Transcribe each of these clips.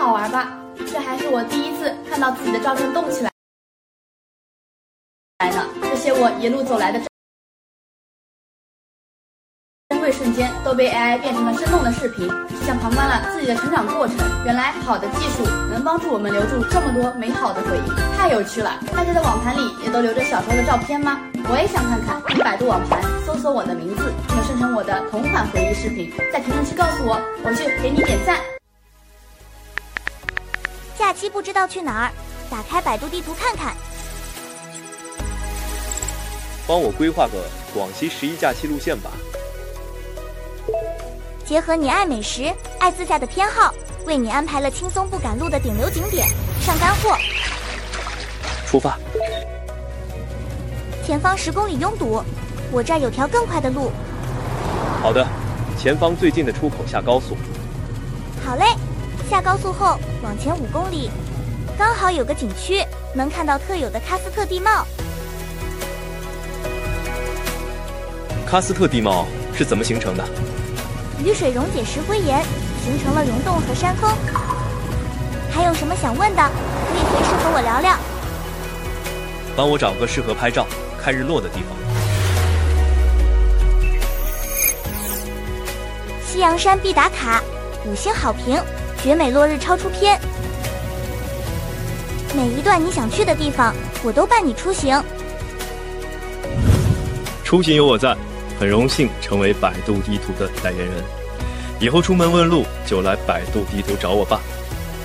好玩 吧， 这还是我第一次看到自己的照片动起来。这些我一路走来的珍贵瞬间都被 AI 变成了生动的视 频， 就像旁观了自己的成长过程。原来好的技术能帮助我们留住这么多美好的回 忆， 太有趣了。大家的网盘里也都留着小时候的照片 吗？ 我也想看看。用百度网盘搜索我的名 字， 就能生成我的同款回忆视频。在评论区告诉 我， 我去给你点赞。假期不知道去哪 儿， 打开百度地图看看。帮我规划个广西十一假期路线吧。结合你爱美食、爱自驾的偏 好， 为你安排了轻松不赶路的顶流景 点， 上干货。出发。前方10公里拥 堵， 我这儿有条更快的路。好 的， 前方最近的出口下高速。好嘞，下高速后往前5公 里， 刚好有个景 区， 能看到特有的喀斯特地貌。喀斯特地貌是怎么形成 的？ 雨水溶解石灰 岩， 形成了溶洞和山峰。还有什么想问 的， 可以随时和我聊聊。帮我找个适合拍照、看日落的地方。西洋山必打 卡， 五星好评，绝美落日超出片。每一段你想去的地 方， 我都伴你出行。出行有我 在， 很荣幸成为百度地图的代言人。以后出门问路就来百度地图找我 吧，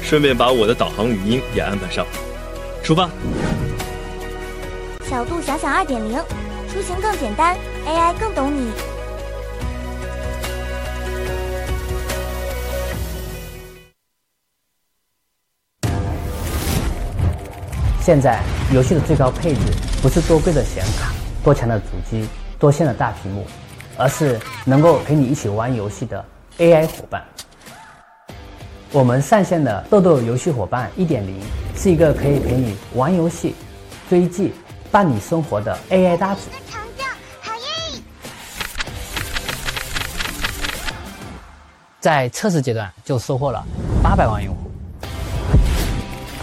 顺便把我的导航语音也安排上。出发。小度想想 2.0， 出行更简单 ，AI 更懂你。现在游戏的最高配置不是多贵的显卡、多强的主机、多大的屏 幕， 而是能够陪你一起玩游戏的 AI 伙伴。我们上线的豆豆游戏伙伴 1.0， 是一个可以陪你玩游戏、追剧、伴你生活的 AI 搭档。成 交， 好耶。在测试阶段就收获了800万用户。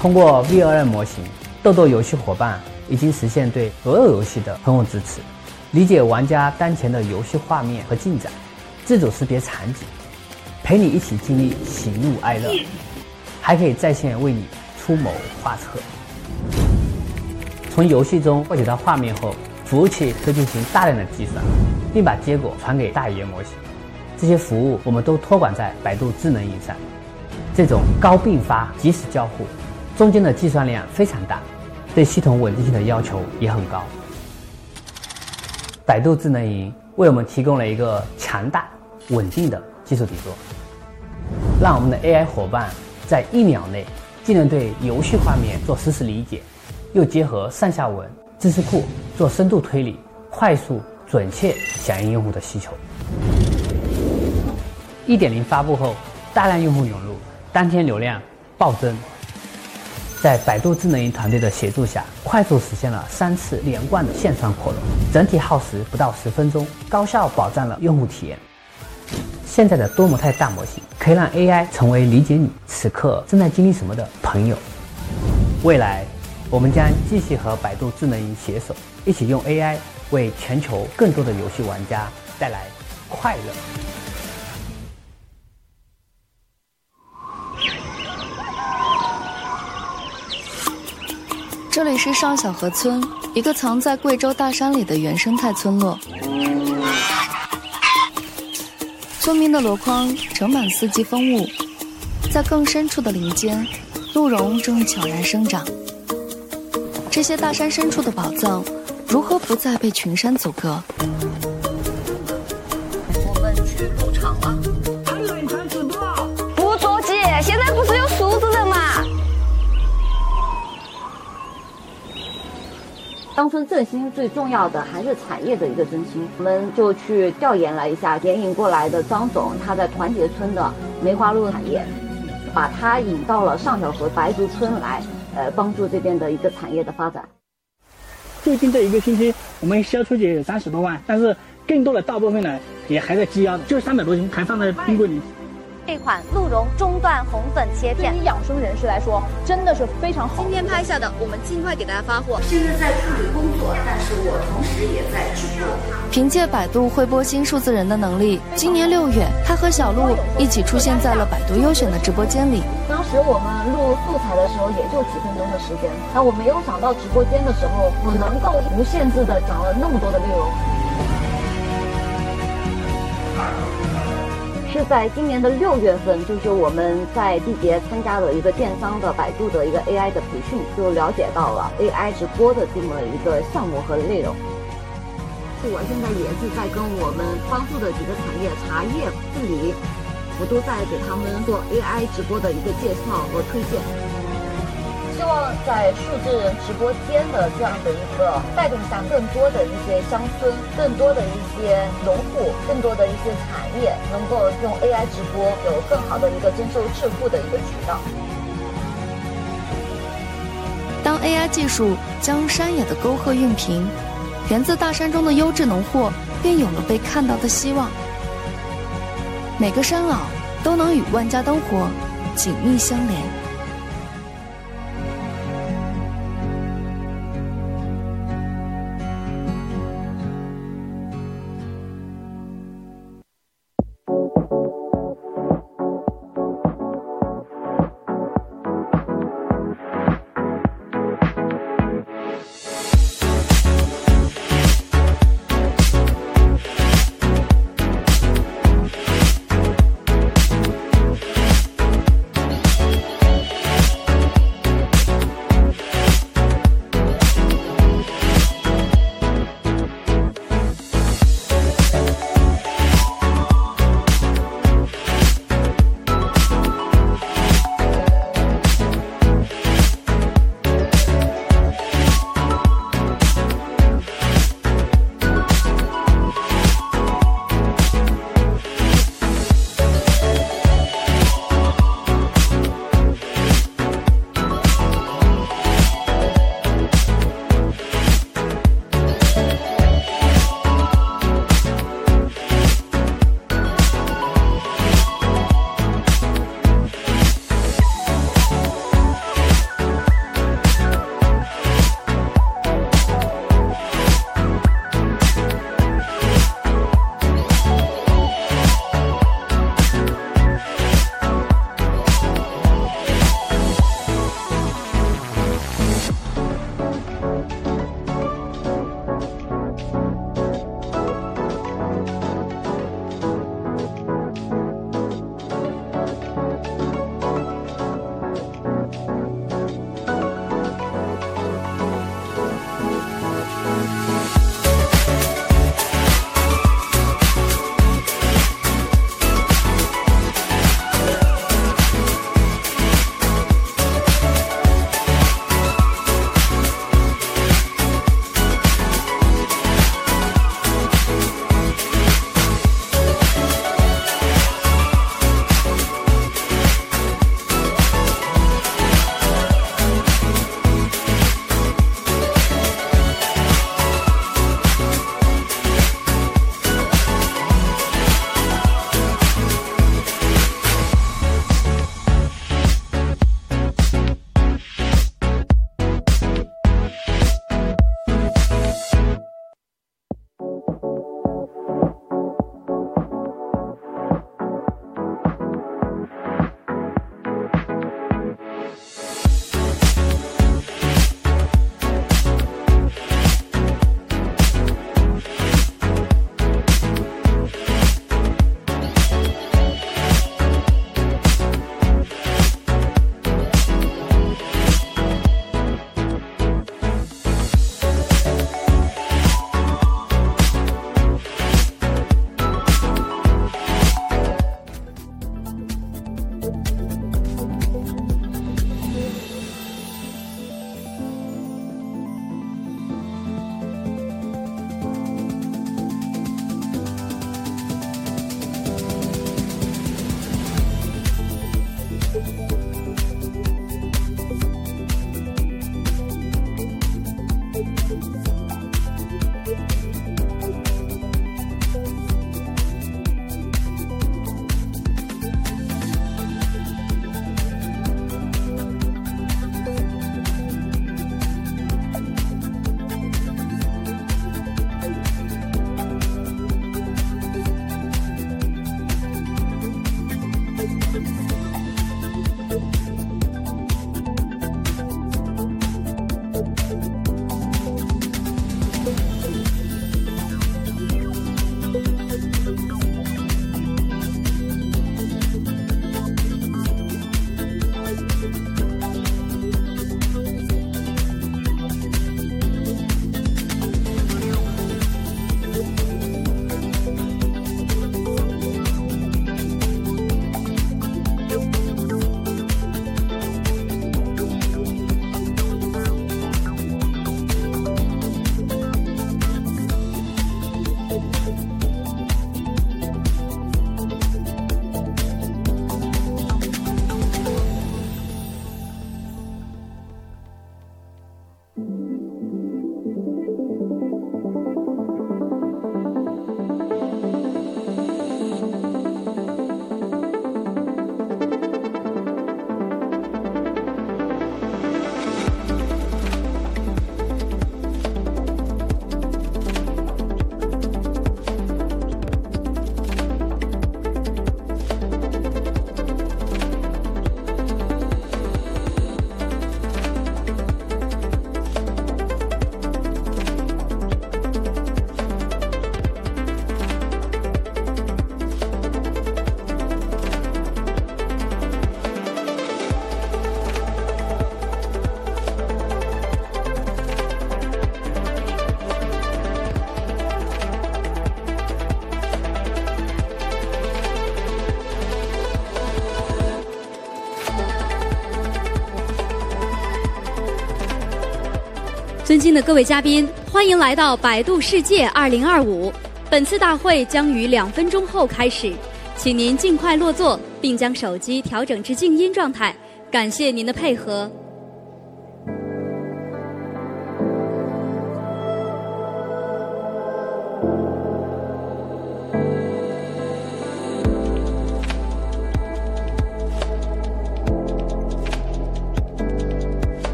通过 VRM 模型，豆豆游戏伙伴已经实现对所有游戏的通用支 持， 理解玩家当前的游戏画面和进 展， 自主识别场 景， 陪你一起经历喜怒哀 乐， 还可以在线为你出谋划策。从游戏中获取到画面 后， 服务器会进行大量的计 算， 并把结果传给大语言模型。这些服务我们都托管在百度智能云上。这种高并发即时交 互， 中间的计算量非常大，对系统稳定性的要求也很高。百度智能云为我们提供了一个强大、稳定的技术底 座， 让我们的 AI 伙伴在一秒内就能对游戏画面做实时理 解， 又结合上下文知识库做深度推 理， 快速准确响应用户的需求。1.0 发布 后， 大量用户涌 入， 当天流量暴增。在百度智能云团队的协助 下， 快速实现了三次连贯的线上扩 容， 整体耗时不到10分 钟， 高效保障了用户体验。现在的多模态大模 型， 可以让 AI 成为理解你此刻正在经历什么的朋友。未来我们将继续和百度智能云携 手， 一起用 AI 为全球更多的游戏玩家带来快乐。这里是上小河 村， 一个藏在贵州大山里的原生态村落。村民的箩筐盛满四季风 物， 在更深处的林 间， 鹿茸正悄然生长。这些大山深处的宝 藏， 如何不再被群山阻 隔？ 我们去入场了。还有一台车多。不着 急， 现在不是有数字的 吗？ 乡村振兴最重要的还是产业的一个中心。我们就去调研了一下接引过来的张 总， 他在团结村的梅花鹿产 业， 把他引到了上小河白族村 来， 帮助这边的一个产业的发展。最近这一个星 期， 我们销出去有30多 万， 但是更多的大部分 呢， 也还在积压 着， 就300多 斤， 还放在冰柜里。这款鹿茸中段红粉切片。对于养生人士来 说， 真的是非常好。今天拍下 的， 我们尽快给大家发货。现在在处理工 作， 但是我同时也在直播。凭借百度会播星数字人的能 力， 今年6 月， 他和小鹿一起出现在了百度优选的直播间里。当时我们录素材的时 候， 也就几分钟的时间。当我没有想到直播间的时 候， 我能够无限制地讲了那么多的内容。是在今年的6月 份， 就是我们在季节参加的一个电商的百度的一个 AI 的培 训， 就了解到了 AI 直播的这么一个项目和内容。我现在也是在跟我们帮助的几个产 业， 茶叶、玉 米， 我都在给他们做 AI 直播的一个介绍和推荐。希望在数字直播间的这样的一个带动 下， 更多的一些乡 村， 更多的一些农 户， 更多的一些产 业， 能够用 AI 直播有更好的一个增收致富的一个渠道。当 AI 技术将山野的沟壑运 平， 源自大山中的优质农货便有了被看到的希望。每个山老都能与万家灯火紧密相连。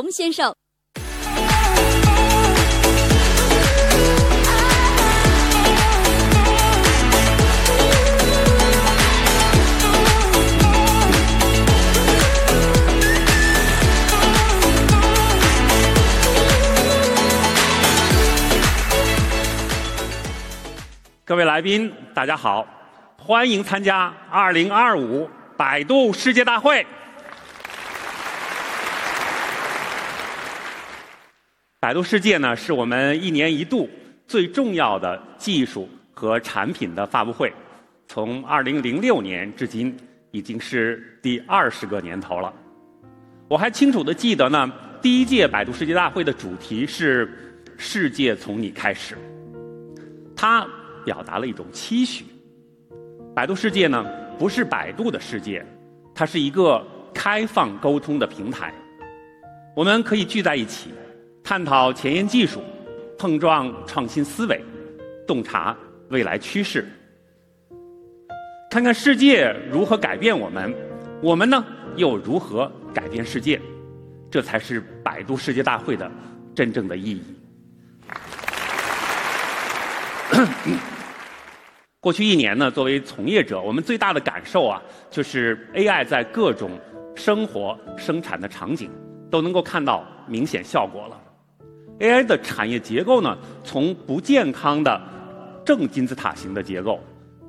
尊敬的各位嘉 宾， 欢迎来到百度世界 2025。本次大会将于2分钟后开 始， 请您尽快落 座， 并将手机调整至静音状态。感谢您的配合。有请百度创始人李彦宏先生。各位来宾大家 好， 欢迎参加2025百度世界大会。百度世界 呢， 是我们一年一度最重要的技术和产品的发布 会， 从2006年至今已经是第20个年头了。我还清楚地记得 呢， 第一届百度世界大会的主题是"世界从你开始"。它表达了一种期 许： 百度世界 呢， 不是百度的世 界， 它是一个开放沟通的平台。我们可以聚在一 起， 探讨前沿技 术， 碰撞创新思 维， 洞察未来趋 势， 看看世界如何改变我 们， 我们呢又如何改变世界。这才是百度世界大会的真正的意义。过去一年 呢， 作为从业 者， 我们最大的感受 啊， 就是 AI 在各种生活生产的场 景， 都能够看到明显效果了。AI 的产业结构 呢， 从不健康的正金字塔型的结 构，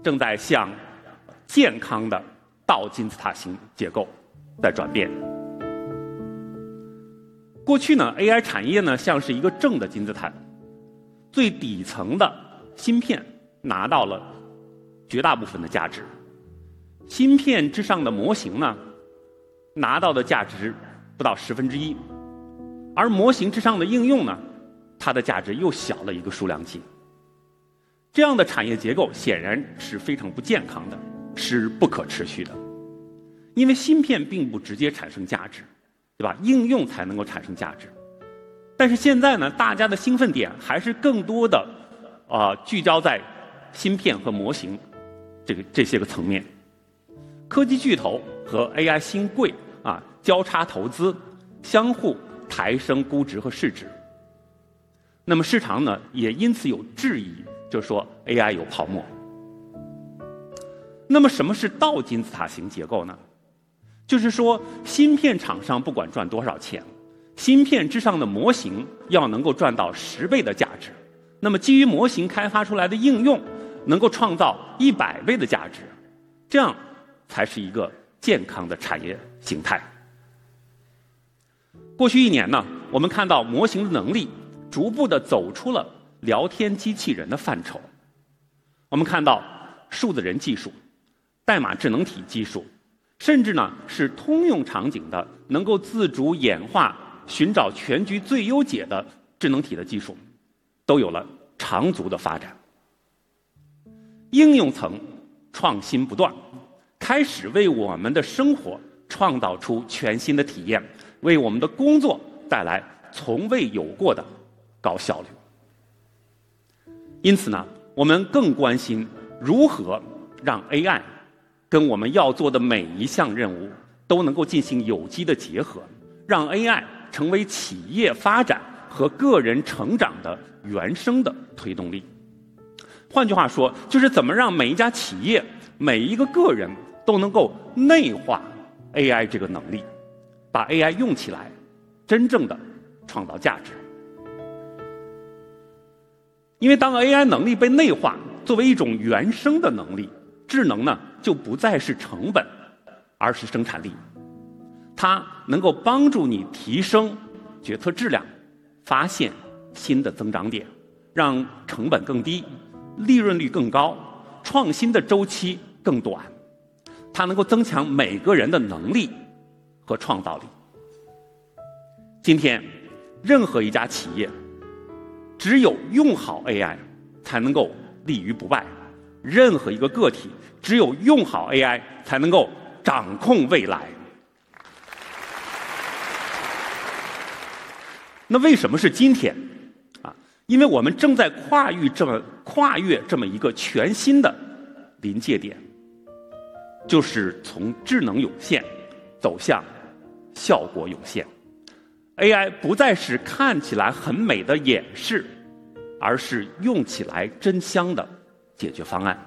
正在向健康的倒金字塔型结构在转变。过去呢 ，AI 产业 呢， 像是一个正的金字 塔， 最底层的芯片拿到了绝大部分的价 值， 芯片之上的模型 呢， 拿到的价值不到 1/10， 而模型之上的应用 呢， 它的价值又小了一个数量级。这样的产业结构显然是非常不健康 的， 是不可持续 的， 因为芯片并不直接产生价 值， 对 吧， 应用才能够产生价值。但是现在 呢， 大家的兴奋点还是更多的 啊， 聚焦在芯片和模型这个这些个层面。科技巨头和 AI 新贵 啊， 交叉投 资， 相互抬升估值和市值。那么市场 呢， 也因此有质 疑， 就说 AI 有泡沫。那么什么是倒金字塔型结构 呢？ 就是说芯片厂商不管赚多少 钱， 芯片之上的模型要能够赚到10倍的价值。那么基于模型开发出来的应 用， 能够创造100倍的价 值， 这样才是一个健康的产业形态。过去一年 呢， 我们看到模型的能力逐步的走出了聊天机器人的范畴。我们看到数字人技术、代码智能体技 术， 甚至 呢， 是通用场景的能够自主演化、寻找全局最优解的智能体的技 术， 都有了长足的发展。应用层创新不 断， 开始为我们的生活创造出全新的体验，为我们的工作带来从未有过的高效率。因此 呢， 我们更关心如何让 AI 跟我们要做的每一项任务都能够进行有机的结 合， 让 AI 成为企业发展和个人成长的原生的推动力。换句话 说， 就是怎么让每一家企业、每一个个人都能够内化 AI 这个能力，把 AI 用起 来， 真正的创造价值。因为当 AI 能力被内 化， 作为一种原生的能 力， 智能呢就不再是成 本， 而是生产力。它能够帮助你提升决策质 量， 发现新的增长 点， 让成本更 低， 利润率更 高， 创新的周期更短。它能够增强每个人的能力和创造力。今天任何一家企 业， 只有用好 AI 才能够立于不 败； 任何一个个 体， 只有用好 AI 才能够掌控未来。那为什么是今天 啊？ 因为我们正在跨越这么跨越这么一个全新的临界 点， 就是从智能有限走向效果有限。AI 不再是看起来很美的掩 饰， 而是用起来真香的解决方案。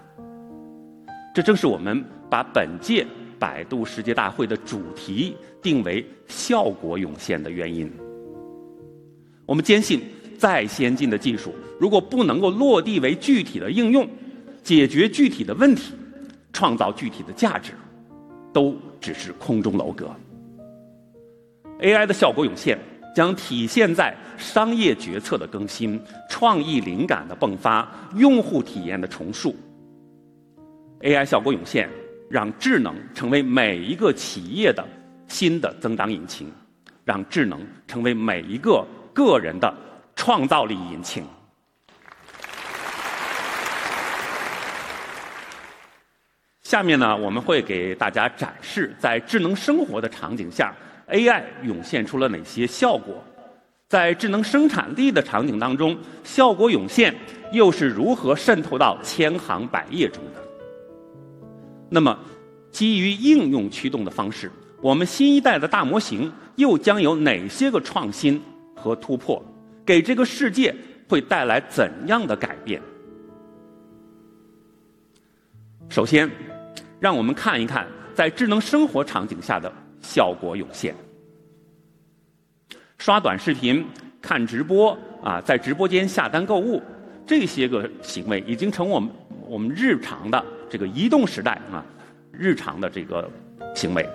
这正是我们把本届百度世界大会的主题定为效果有限的原因。我们坚 信， 再先进的技 术， 如果不能够落地为具体的应 用， 解决具体的问 题， 创造具体的价 值， 都只是空中楼阁。AI 的效果有 限， 将体现在商业决策的更新、创意灵感的迸发、用户体验的重塑。AI 效果有 限， 让智能成为每一个企业的新的增长引 擎， 让智能成为每一个个人的创造力引擎。下面 呢， 我们会给大家展 示， 在智能生活的场景下 ，AI 涌现出了哪些效果。在智能生产力的场景当 中， 效果涌现又是如何渗透到千行百业中的。那么基于应用驱动的方 式， 我们新一代的大模型又将有哪些个创新和突 破， 给这个世界会带来怎样的改变。首先让我们看一 看， 在智能生活场景下的效果涌现。刷短视频、看直播 啊， 在直播间下单购 物， 这些个行为已经成我们我们日常的这个移动时代 啊， 日常的这个行为。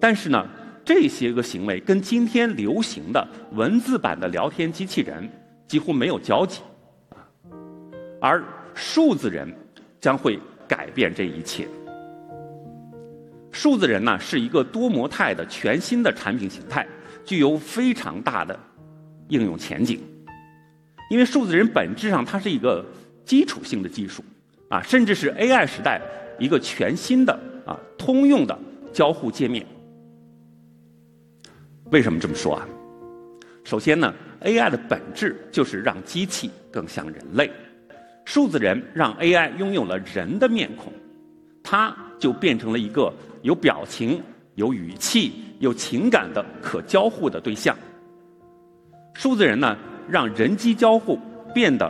但是 呢， 这些个行为跟今天流行的文字版的聊天机器人几乎没有交集 啊， 而数字人将会改变这一切。数字人 呢， 是一个多模态的全新的产品形 态， 具有非常大的应用前景。因为数字人本质 上， 它是一个基础性的技术 啊， 甚至是 AI 时代一个全新的 啊， 通用的交互界面。为什么这么说 啊？ 首先呢 ，AI 的本质就是让机器更像人类。数字人让 AI 拥有了人的面 孔， 它就变成了一个有表情、有语气、有情感的可交互的对象。数字人 呢， 让人机交互变得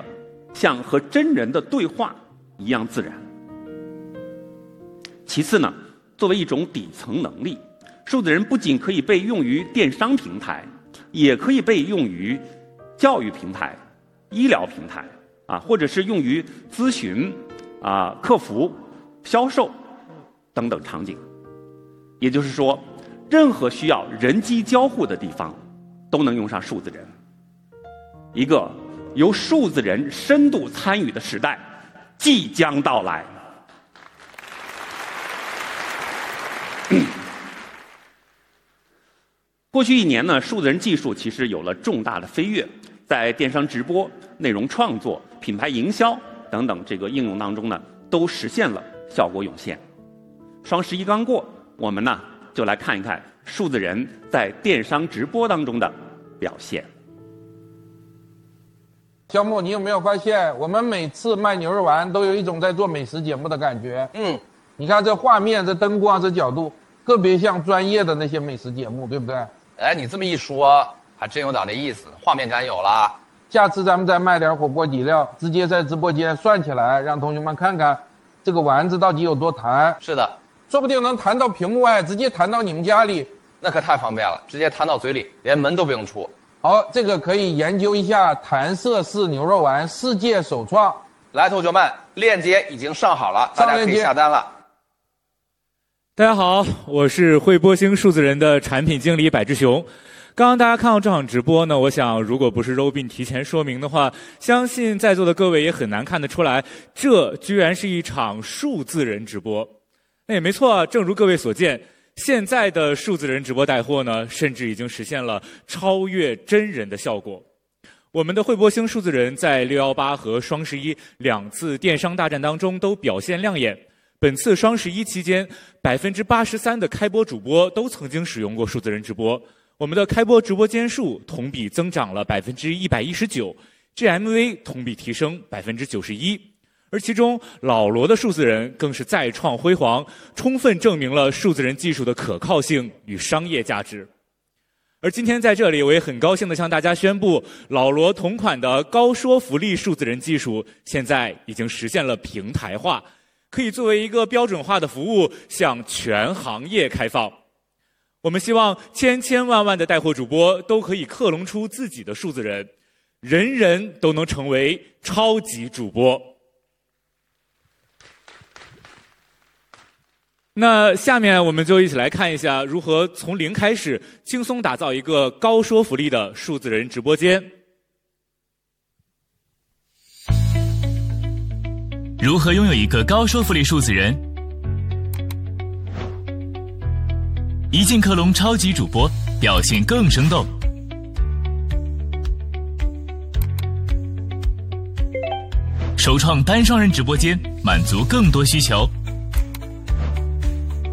像和真人的对话一样自然。其次 呢， 作为一种底层能 力， 数字人不仅可以被用于电商平 台， 也可以被用于教育平台、医疗平台 啊， 或者是用于咨询啊、客服、销售等等场景。也就是 说， 任何需要人机交互的地 方， 都能用上数字人。一个由数字人深度参与的时代即将到来。过去一年 呢， 数字人技术其实有了重大的飞 跃， 在电商直播、内容创作、品牌营销等等这个应用当中 呢， 都实现了效果涌现。双十一刚过，我们呢就来看一看数字人在电商直播当中的表现。小 木， 你有没有发 现， 我们每次卖牛肉 丸， 都有一种在做美食节目的感 觉？ 嗯， 你看这画 面， 这灯 光， 这角 度， 特别像专业的那些美食节 目， 对不 对？ 哎， 你这么一说还真有点那意 思， 画面感有了。下次咱们再卖点火锅底 料， 直接在直播间算起 来， 让同学们看看这个丸子到底有多弹。是 的， 说不定能弹到屏幕 外， 直接弹到你们家里。那可太方便 了， 直接弹到嘴 里， 连门都不用出。好， 这个可以研究一 下， 弹色似牛肉 丸， 世界首创。来， 同学 们， 链接已经上好 了， 咱俩可以下单了。大家 好， 我是惠波星数字人的产品经理柏志雄。刚刚大家看到这场直播 呢， 我想如果不是 Robin 提前说明的 话， 相信在座的各位也很难看得出 来， 这居然是一场数字人直播。那也没错 啊， 正如各位所 见， 现在的数字人直播带货 呢， 甚至已经实现了超越真人的效果。我们的惠波星数字人在618和双十一两次电商大战当 中， 都表现亮眼。本次双十一期间 ，83% 的开播主播都曾经使用过数字人直播。我们的开播直播间数同比增长了 119%，GMV 同比提升 91%。而其中老罗的数字人更是再创辉 煌， 充分证明了数字人技术的可靠性与商业价值。而今天在这 里， 我也很高兴的向大家宣 布， 老罗同款的高说服力数字人技 术， 现在已经实现了平台 化， 可以作为一个标准化的服 务， 向全行业开放。我们希望千千万万的带货主 播， 都可以克隆出自己的数字 人， 人人都能成为超级主播。那下面我们就一起来看一 下， 如何从零开 始， 轻松打造一个高说服力的数字人直播间。如何拥有一个高说服力数字 人？ 一键克隆超级主 播， 表现更生动。首创单双人直播 间， 满足更多需求。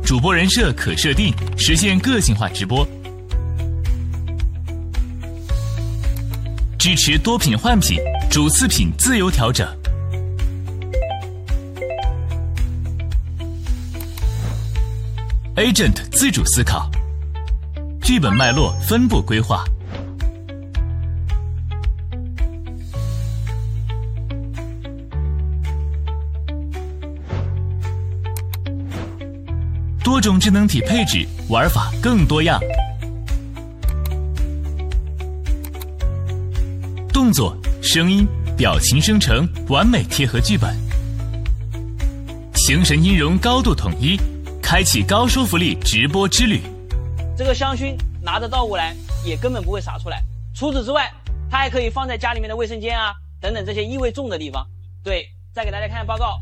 主播人设可设 定， 实现个性化直播。支持多品换 品， 主次品自由调整。Agent 自主思 考， 剧本脉络分步规划。多种智能体配 置， 玩法更多样。动作、声音、表情生 成， 完美贴合剧本。形神音容高度统 一， 开启高说服力直播之旅。这个香熏拿着倒过 来， 也根本不会洒出来。除此之 外， 它还可以放在家里面的卫生间啊等等这些异味重的地方。对， 再给大家看看报告。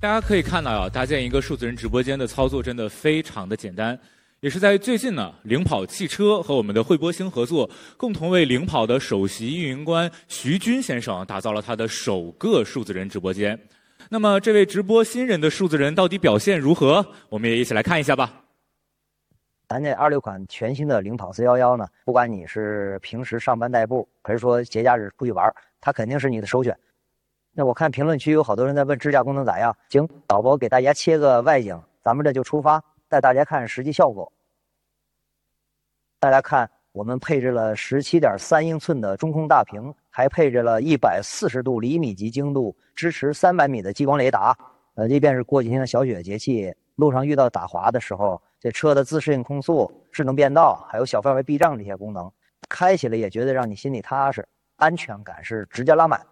大家可以看到 啊， 搭建一个数字人直播间的操 作， 真的非常的简 单， 也是在最近 呢， 领跑汽车和我们的惠波星合 作， 共同为领跑的首席运营官徐军先生打造了他的首个数字人直播间。那么这位直播新人的数字人到底表现如 何， 我们也一起来看一下吧。咱这二六款全新的领跑411 呢， 不管你是平时上班代 步， 还是说节假日出去 玩， 他肯定是你的首选。那我看评论区有好多人在问支架功能咋 样， 行， 导播给大家切个外 景， 咱们这就出 发， 带大家看实际效果。大家 看， 我们配置了 17.3 英寸的中控大 屏， 还配置了140度厘米级精 度， 支持300米的激光雷达。呃， 即便是过几天的小雪节 气， 路上遇到打滑的时 候， 这车的自适应控速、智能变 道， 还有小范围避障这些功 能， 开起来也觉得让你心里踏 实， 安全感是直接拉满。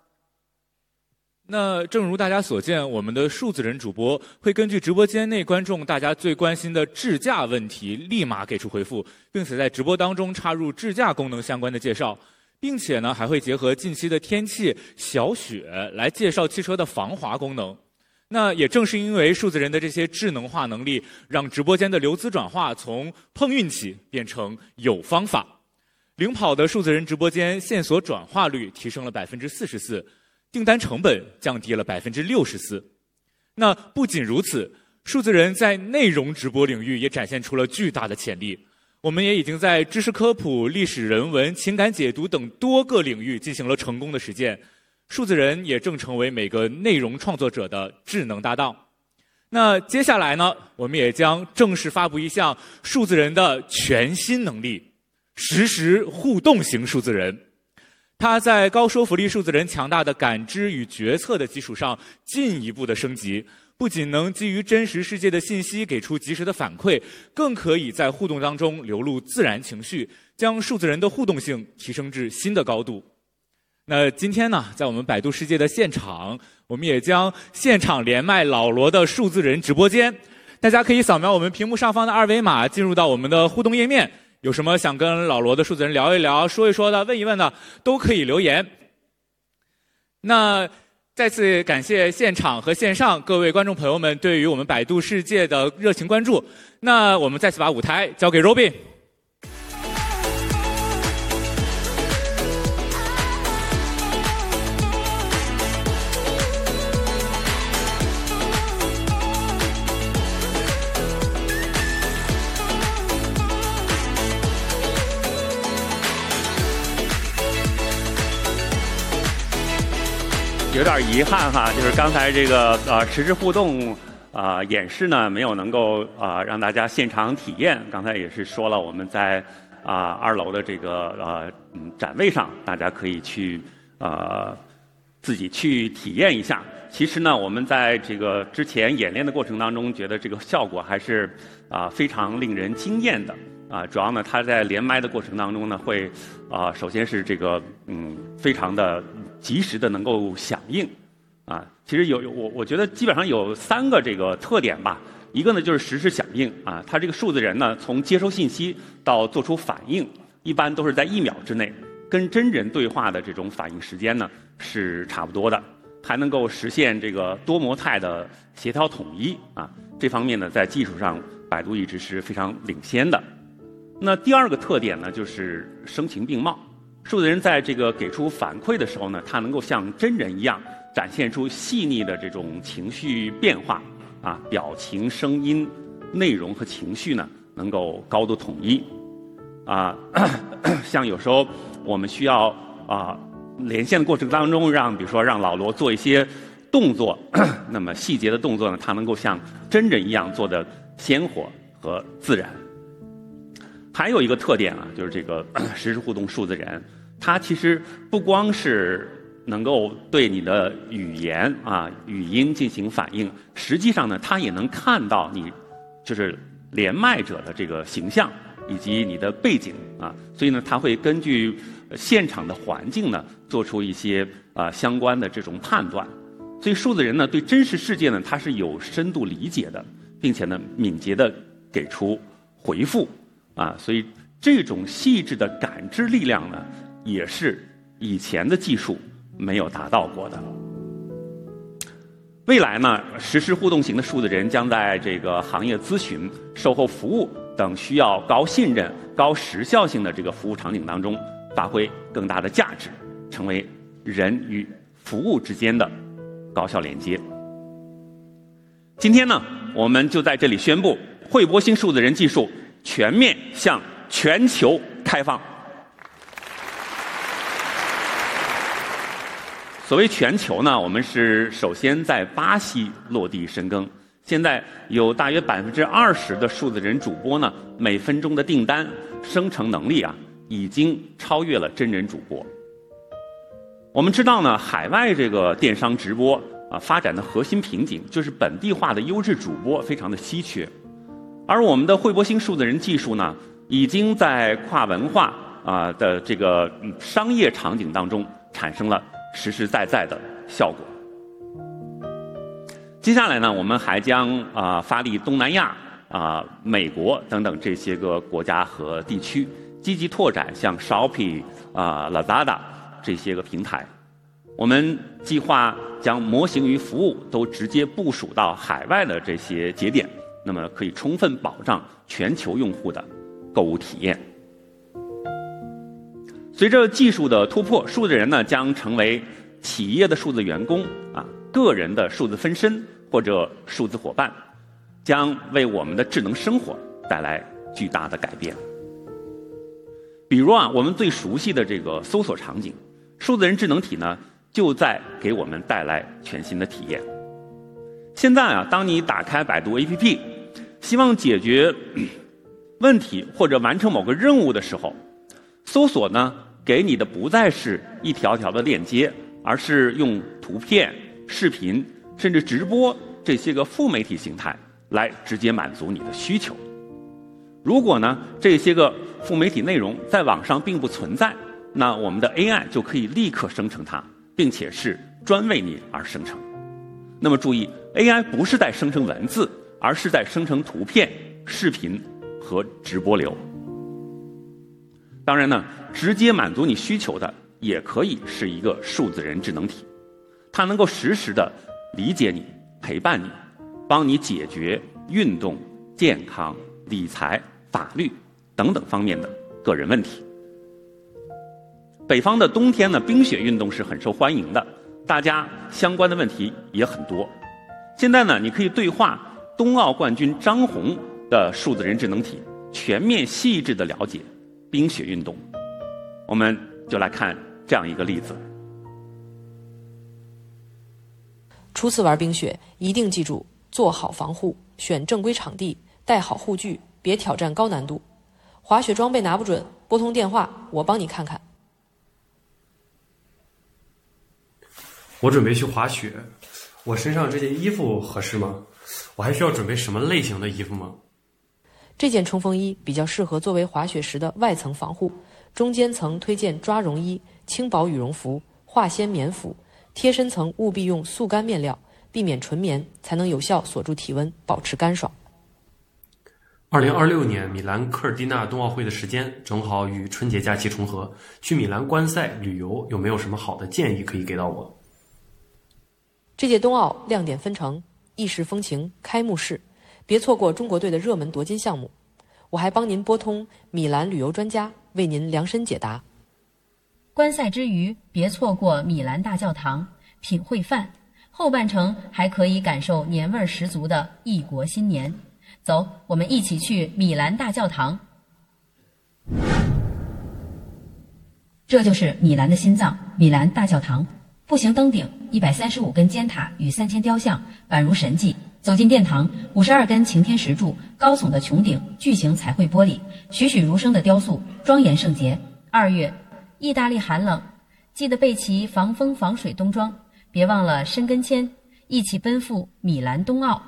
那正如大家所 见， 我们的数字人主播会根据直播间内观众大家最关心的智驾问 题， 立马给出回 复， 并且在直播当中插入智驾功能相关的介 绍， 并且 呢， 还会结合近期的天气小雪来介绍汽车的防滑功能。那也正是因为数字人的这些智能化能 力， 让直播间的流资转化从碰运气变成有方法。领跑的数字人直播间线索转化率提升了 44%， 订单成本降低了 64%。那不仅如 此， 数字人在内容直播领域也展现出了巨大的潜力。我们也已经在知识科普、历史人文、情感解读等多个领域进行了成功的实践。数字人也正成为每个内容创作者的智能搭档。那接下来 呢， 我们也将正式发布一项数字人的全新能 力， 实时互动型数字人。它在高说服力数字人强大的感知与决策的基础 上， 进一步的升 级， 不仅能基于真实世界的信息给出及时的反 馈， 更可以在互动当中流露自然情 绪， 将数字人的互动性提升至新的高度。那今天 呢， 在我们百度世界的现 场， 我们也将现场连麦老罗的数字人直播间。大家可以扫描我们屏幕上方的二维 码， 进入到我们的互动页面。有什么想跟老罗的数字人聊一聊、说一说的、问一问 的， 都可以留言。那再次感谢现场和线上各位观众朋友 们， 对于我们百度世界的热情关注。那我们再次把舞台交给 Robin。有点遗憾 哈， 就是刚才这个 啊， 实时互动啊演示 呢， 没有能够啊让大家现场体验。刚才也是说 了， 我们在啊二楼的这个啊展位 上， 大家可以去啊自己去体验一下。其实 呢， 我们在这个之前演练的过程当 中， 觉得这个效果还是啊非常令人惊艳的啊。主要 呢， 它在连麦的过程当中 呢， 会啊首先是这个 嗯， 非常的及时的能够响应啊。其实有有 我， 我觉得基本上有三个这个特点 吧， 一个呢就是实时响应 啊， 它这个数字人 呢， 从接收信息到做出反 应， 一般都是在一秒之 内， 跟真人对话的这种反应时间 呢， 是差不多 的， 还能够实现这个多模态的协调统一啊。这方面 呢， 在技术上百度一直是非常领先的。那第二个特点 呢， 就是生情并茂。数字人在这个给出反馈的时候 呢， 它能够像真人一 样， 展现出细腻的这种情绪变化 啊， 表情、声音、内容和情绪 呢， 能够高度统一啊。像有时候我们需要啊连线的过程当 中， 让比如说让老罗做一些动 作， 那么细节的动作 呢， 它能够像真人一样做得鲜活和自然。还有一个特点 啊， 就是这个实时互动数字 人， 他其实不光是能够对你的语言啊、语音进行反 应， 实际上 呢， 他也能看到你就是连麦者的这个形 象， 以及你的背景啊。所以 呢， 他会根据现场的环境 呢， 做出一些啊相关的这种判断。所以数字人 呢， 对真实世界 呢， 他是有深度理解 的， 并且呢敏捷的给出回复啊。所以这种细致的感知力量 呢， 也是以前的技术没有达到过的。未来 呢， 实时互动型的数字人将在这个行业咨询、售后服务等需要高信任、高时效性的这个服务场景当 中， 发挥更大的价 值， 成为人与服务之间的高效连接。今天 呢， 我们就在这里宣 布， 惠波星数字人技术全面向全球开放。所谓全球 呢， 我们是首先在巴西落地生 根， 现在有大约 20% 的数字人主播 呢， 每分钟的订单生成能力 啊， 已经超越了真人主播。我们知道 呢， 海外这个电商直播 啊， 发展的核心瓶颈就是本地化的优质主播非常的稀缺，而我们的惠波星数字人技术 呢， 已经在跨文化啊的这个商业场景当 中， 产生了实实在在的效果。接下来 呢， 我们还将啊发力东南亚啊、美国等等这些个国家和地 区， 积极拓展像 Shopee 啊、Lazada 这些个平台。我们计划将模型与服务都直接部署到海外的这些节点，那么可以充分保障全球用户的购物体验。随着技术的突 破， 数字人 呢， 将成为企业的数字员工啊、个人的数字分身或者数字伙 伴， 将为我们的智能生活带来巨大的改变。比如 啊， 我们最熟悉的这个搜索场 景， 数字人智能体 呢， 就在给我们带来全新的体验。现在 啊， 当你打开百度 APP， 希望解决问题或者完成某个任务的时 候， 搜索呢给你的不再是一条条的链 接， 而是用图片、视频甚至直播这些个副媒体形态来直接满足你的需求。如果 呢， 这些个副媒体内容在网上并不存 在， 那我们的 AI 就可以立刻生成 它， 并且是专为你而生成。那么注意 ，AI 不是在生成文字，而是在生成图片、视频和直播流。当然 呢， 直接满足你需求 的， 也可以是一个数字人智能 体， 它能够实时的理解你、陪伴 你， 帮你解决运动、健康、理财、法律等等方面的个人问题。北方的冬天 呢， 冰雪运动是很受欢迎 的， 大家相关的问题也很多。现在 呢， 你可以对话东奥冠军张红的数字人智能 体， 全面细致的了解冰雪运动。我们就来看这样一个例 子： 初次玩冰 雪， 一定记住做好防 护， 选正规场 地， 带好护 具， 别挑战高难度。滑雪装备拿不 准， 拨通电话我帮你看看。我准备去滑 雪， 我身上这件衣服合适吗？我还需要准备什么类型的衣服 吗？ 这件冲锋衣比较适合作为滑雪时的外层防 护， 中间层推荐抓绒衣、轻薄羽绒服、化纤棉 服， 贴身层务必用速干面 料， 避免纯棉才能有效锁住体 温， 保持干爽。2026年米兰科尔蒂纳冬奥会的时 间， 正好与春节假期重 合， 去米兰观赛旅 游， 有没有什么好的建议可以给到 我？ 这届冬奥亮点分成：意式风情、开幕 式， 别错过中国队的热门夺金项目。我还帮您拨通米兰旅游专 家， 为您量身解答。观赛之 余， 别错过米兰大教堂品会 饭， 后半程还可以感受年味十足的一国新年。走， 我们一起去米兰大教 堂！ 这就是米兰的心 脏， 米兰大教堂。步行登顶 ，135 根尖塔与 3,000 雕像宛如神迹。走进殿堂 ，52 根擎天石 柱， 高耸的穹 顶， 巨型彩绘玻 璃， 栩栩如生的雕 塑， 庄严圣洁。2月意大利寒 冷， 记得备齐防风防水冬 装， 别忘了伸根 签， 一起奔赴米兰冬奥。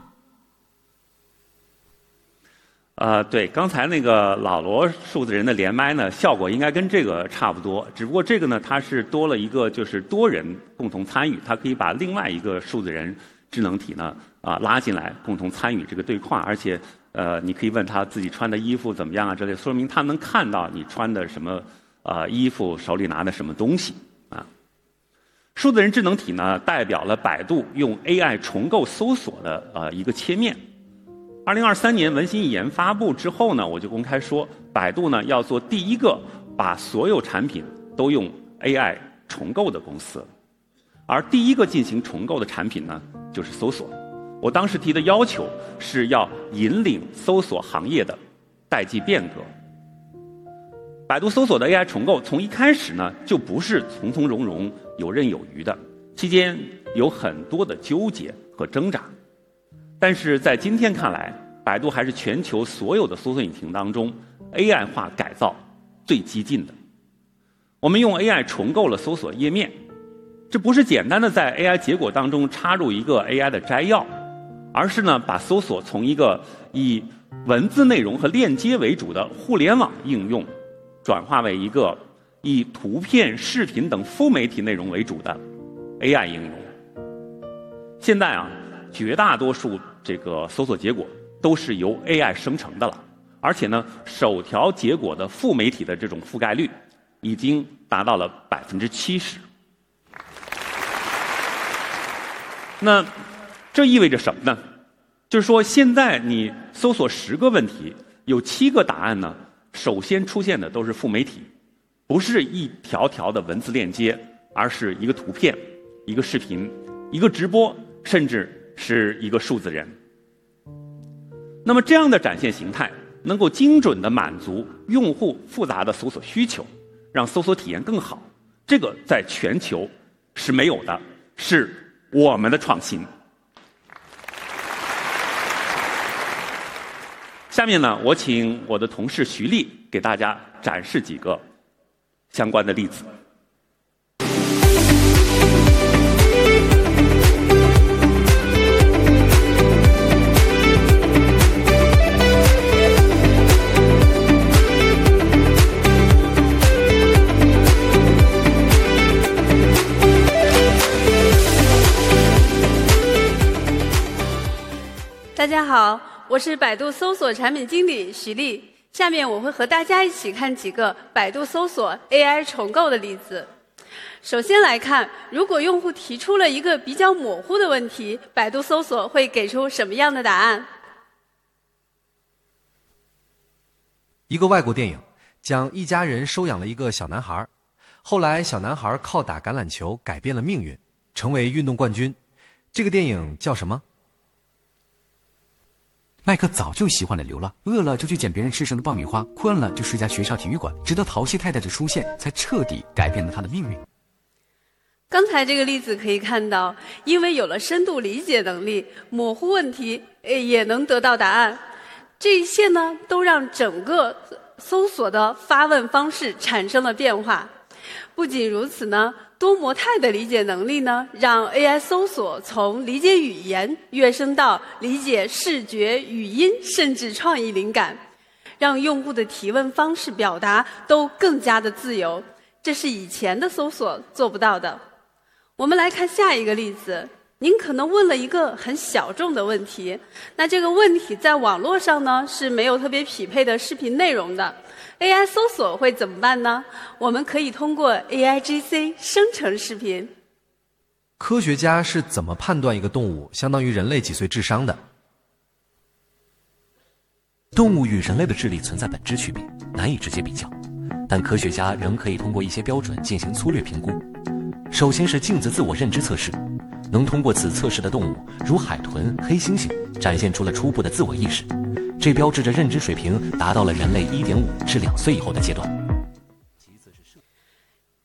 啊， 对， 刚才那个老罗数字人的连麦 呢， 效果应该跟这个差不 多， 只不过这个 呢， 它是多了一 个， 就是多人共同参 与， 它可以把另外一个数字人智能体 呢， 啊， 拉进来共同参与这个对话。而且 呃， 你可以问他自己穿的衣服怎么样 啊， 之 类， 说明他能看到你穿的什么 啊， 衣服手里拿的什么东西啊。数字人智能体 呢， 代表了百度用 AI 重构搜索的 啊， 一个切面。2023年文心一言发布之后 呢， 我就公开 说， 百度 呢， 要做第一个把所有产品都用 AI 重构的公 司， 而第一个进行重构的产品 呢， 就是搜索。我当时提的要 求， 是要引领搜索行业的代际变革。百度搜索的 AI 重 构， 从一开始 呢， 就不是从从容容、游刃有余 的， 期间有很多的纠结和挣扎。但是在今天看 来， 百度还是全球所有的搜索引擎当中 ，AI 化改造最激进的。我们用 AI 重构了搜索页 面， 这不是简单的在 AI 结果当中插入一个 AI 的摘 要， 而是 呢， 把搜索从一个以文字内容和链接为主的互联网应 用， 转化为一个以图片、视频等副媒体内容为主的 AI 应用。现在 啊， 绝大多数这个搜索结果都是由 AI 生成的 了， 而且 呢， 首条结果的副媒体的这种覆盖率已经达到了 70%。那这意味着什么 呢？ 就是说现在你搜索10个问 题， 有7个答案 呢， 首先出现的都是副媒 体， 不是一条条的文字链 接， 而是一个图片、一个视频、一个直 播， 甚至是一个数字人。那么这样的展现形 态， 能够精准的满足用户复杂的搜索需 求， 让搜索体验更 好， 这个在全球是没有 的， 是我们的创新。下面 呢， 我请我的同事徐丽给大家展示几个相关的例子。大家 好， 我是百度搜索产品经理徐 丽， 下面我会和大家一起看几个百度搜索 AI 重构的例子。首先来 看， 如果用户提出了一个比较模糊的问 题， 百度搜索会给出什么样的答 案？ 一个外国电 影， 讲一家人收养了一个小男 孩， 后来小男孩靠打橄榄球改变了命 运， 成为运动冠军。这个电影叫什 么？ 麦克早就习惯了流 浪， 饿了就去捡别人吃剩的爆米 花， 困了就睡家学校体育 馆， 直到淘气太太的出 现， 才彻底改变了他的命运。刚才这个例子可以看 到， 因为有了深度理解能 力， 模糊问题也能得到答案。这一切 呢， 都让整个搜索的发问方式产生了变化。不仅如此呢，多模态的理解能力 呢， 让 AI 搜索从理解语 言， 跃升到理解视觉、语 音， 甚至创意灵 感， 让用户的提问方式表达都更加的自由。这是以前的搜索做不到的。我们来看下一个例 子， 您可能问了一个很小众的问 题， 那这个问题在网络上 呢， 是没有特别匹配的视频内容的。AI 搜索会怎么办 呢？ 我们可以通过 AIGC 生成视频。科学家是怎么判断一个动物相当于人类几岁智商 的？ 动物与人类的智力存在本质区 别， 难以直接比 较， 但科学家仍可以通过一些标准进行粗略评估。首先是镜子自我认知测试，能通过此测试的动 物， 如海豚、黑猩 猩， 展现出了初步的自我意 识， 这标志着认知水平达到了人类 1.5 至2岁以后的阶段。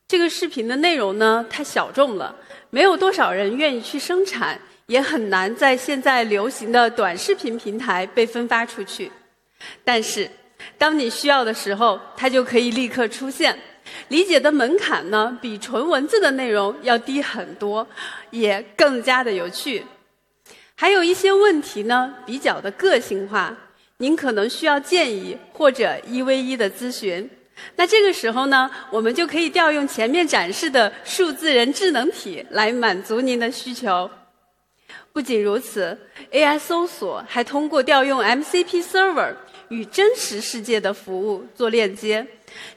这个视频的内容 呢， 太小众 了， 没有多少人愿意去生 产， 也很难在现在流行的短视频平台被分发出去。但是当你需要的时 候， 它就可以立刻出现。理解的门槛 呢， 比纯文字的内容要低很 多， 也更加的有趣。还有一些问题 呢， 比较的个性 化， 您可能需要建议或者一对一的咨询。那这个时候 呢， 我们就可以调用前面展示的数字人智能体来满足您的需求。不仅如此 ，AI 搜索还通过调用 MCP Server 与真实世界的服务做链 接，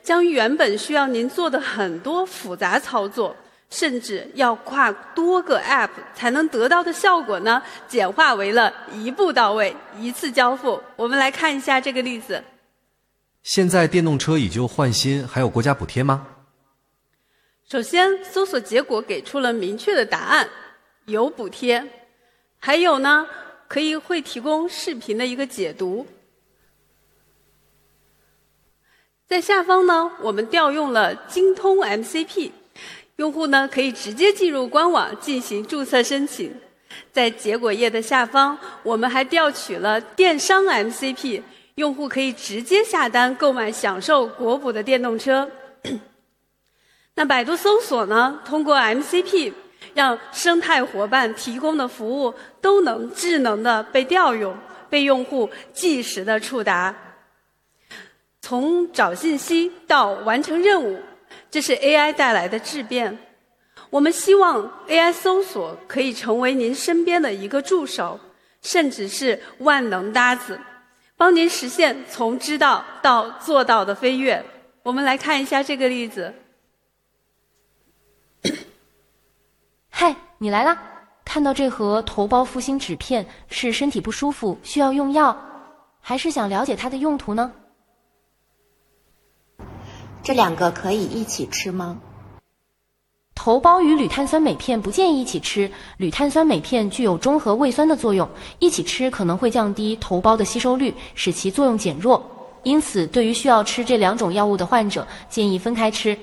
将原本需要您做的很多复杂操 作， 甚至要跨多个 APP 才能得到的效果 呢， 简化为了一步到位、一次交付。我们来看一下这个例子。现在电动车已经换 新， 还有国家补贴 吗？ 首先搜索结果给出了明确的答 案， 有补 贴， 还有 呢， 可以会提供视频的一个解读。在下方 呢， 我们调用了京通 MCP， 用户呢可以直接进入官网进行注册申请。在结果页的下 方， 我们还调取了电商 MCP， 用户可以直接下单购买享受国补的电动车。那百度搜索 呢， 通过 MCP 让生态伙伴提供的服务都能智能的被调 用， 被用户即时的触达。从找信息到完成任 务， 这是 AI 带来的质变。我们希望 AI 搜索可以成为您身边的一个助 手， 甚至是万能搭 子， 帮您实现从知道到做到的飞跃。我们来看一下这个例子。嗨， 你来 了！ 看到这盒头孢复星纸 片， 是身体不舒服需要用 药， 还是想了解它的用途呢？这两个可以一起吃 吗？ 头孢与铝碳酸镁片不建议一起 吃， 铝碳酸镁片具有中和胃酸的作 用， 一起吃可能会降低头孢的吸收 率， 使其作用减弱。因此对于需要吃这两种药物的患 者， 建议分开吃。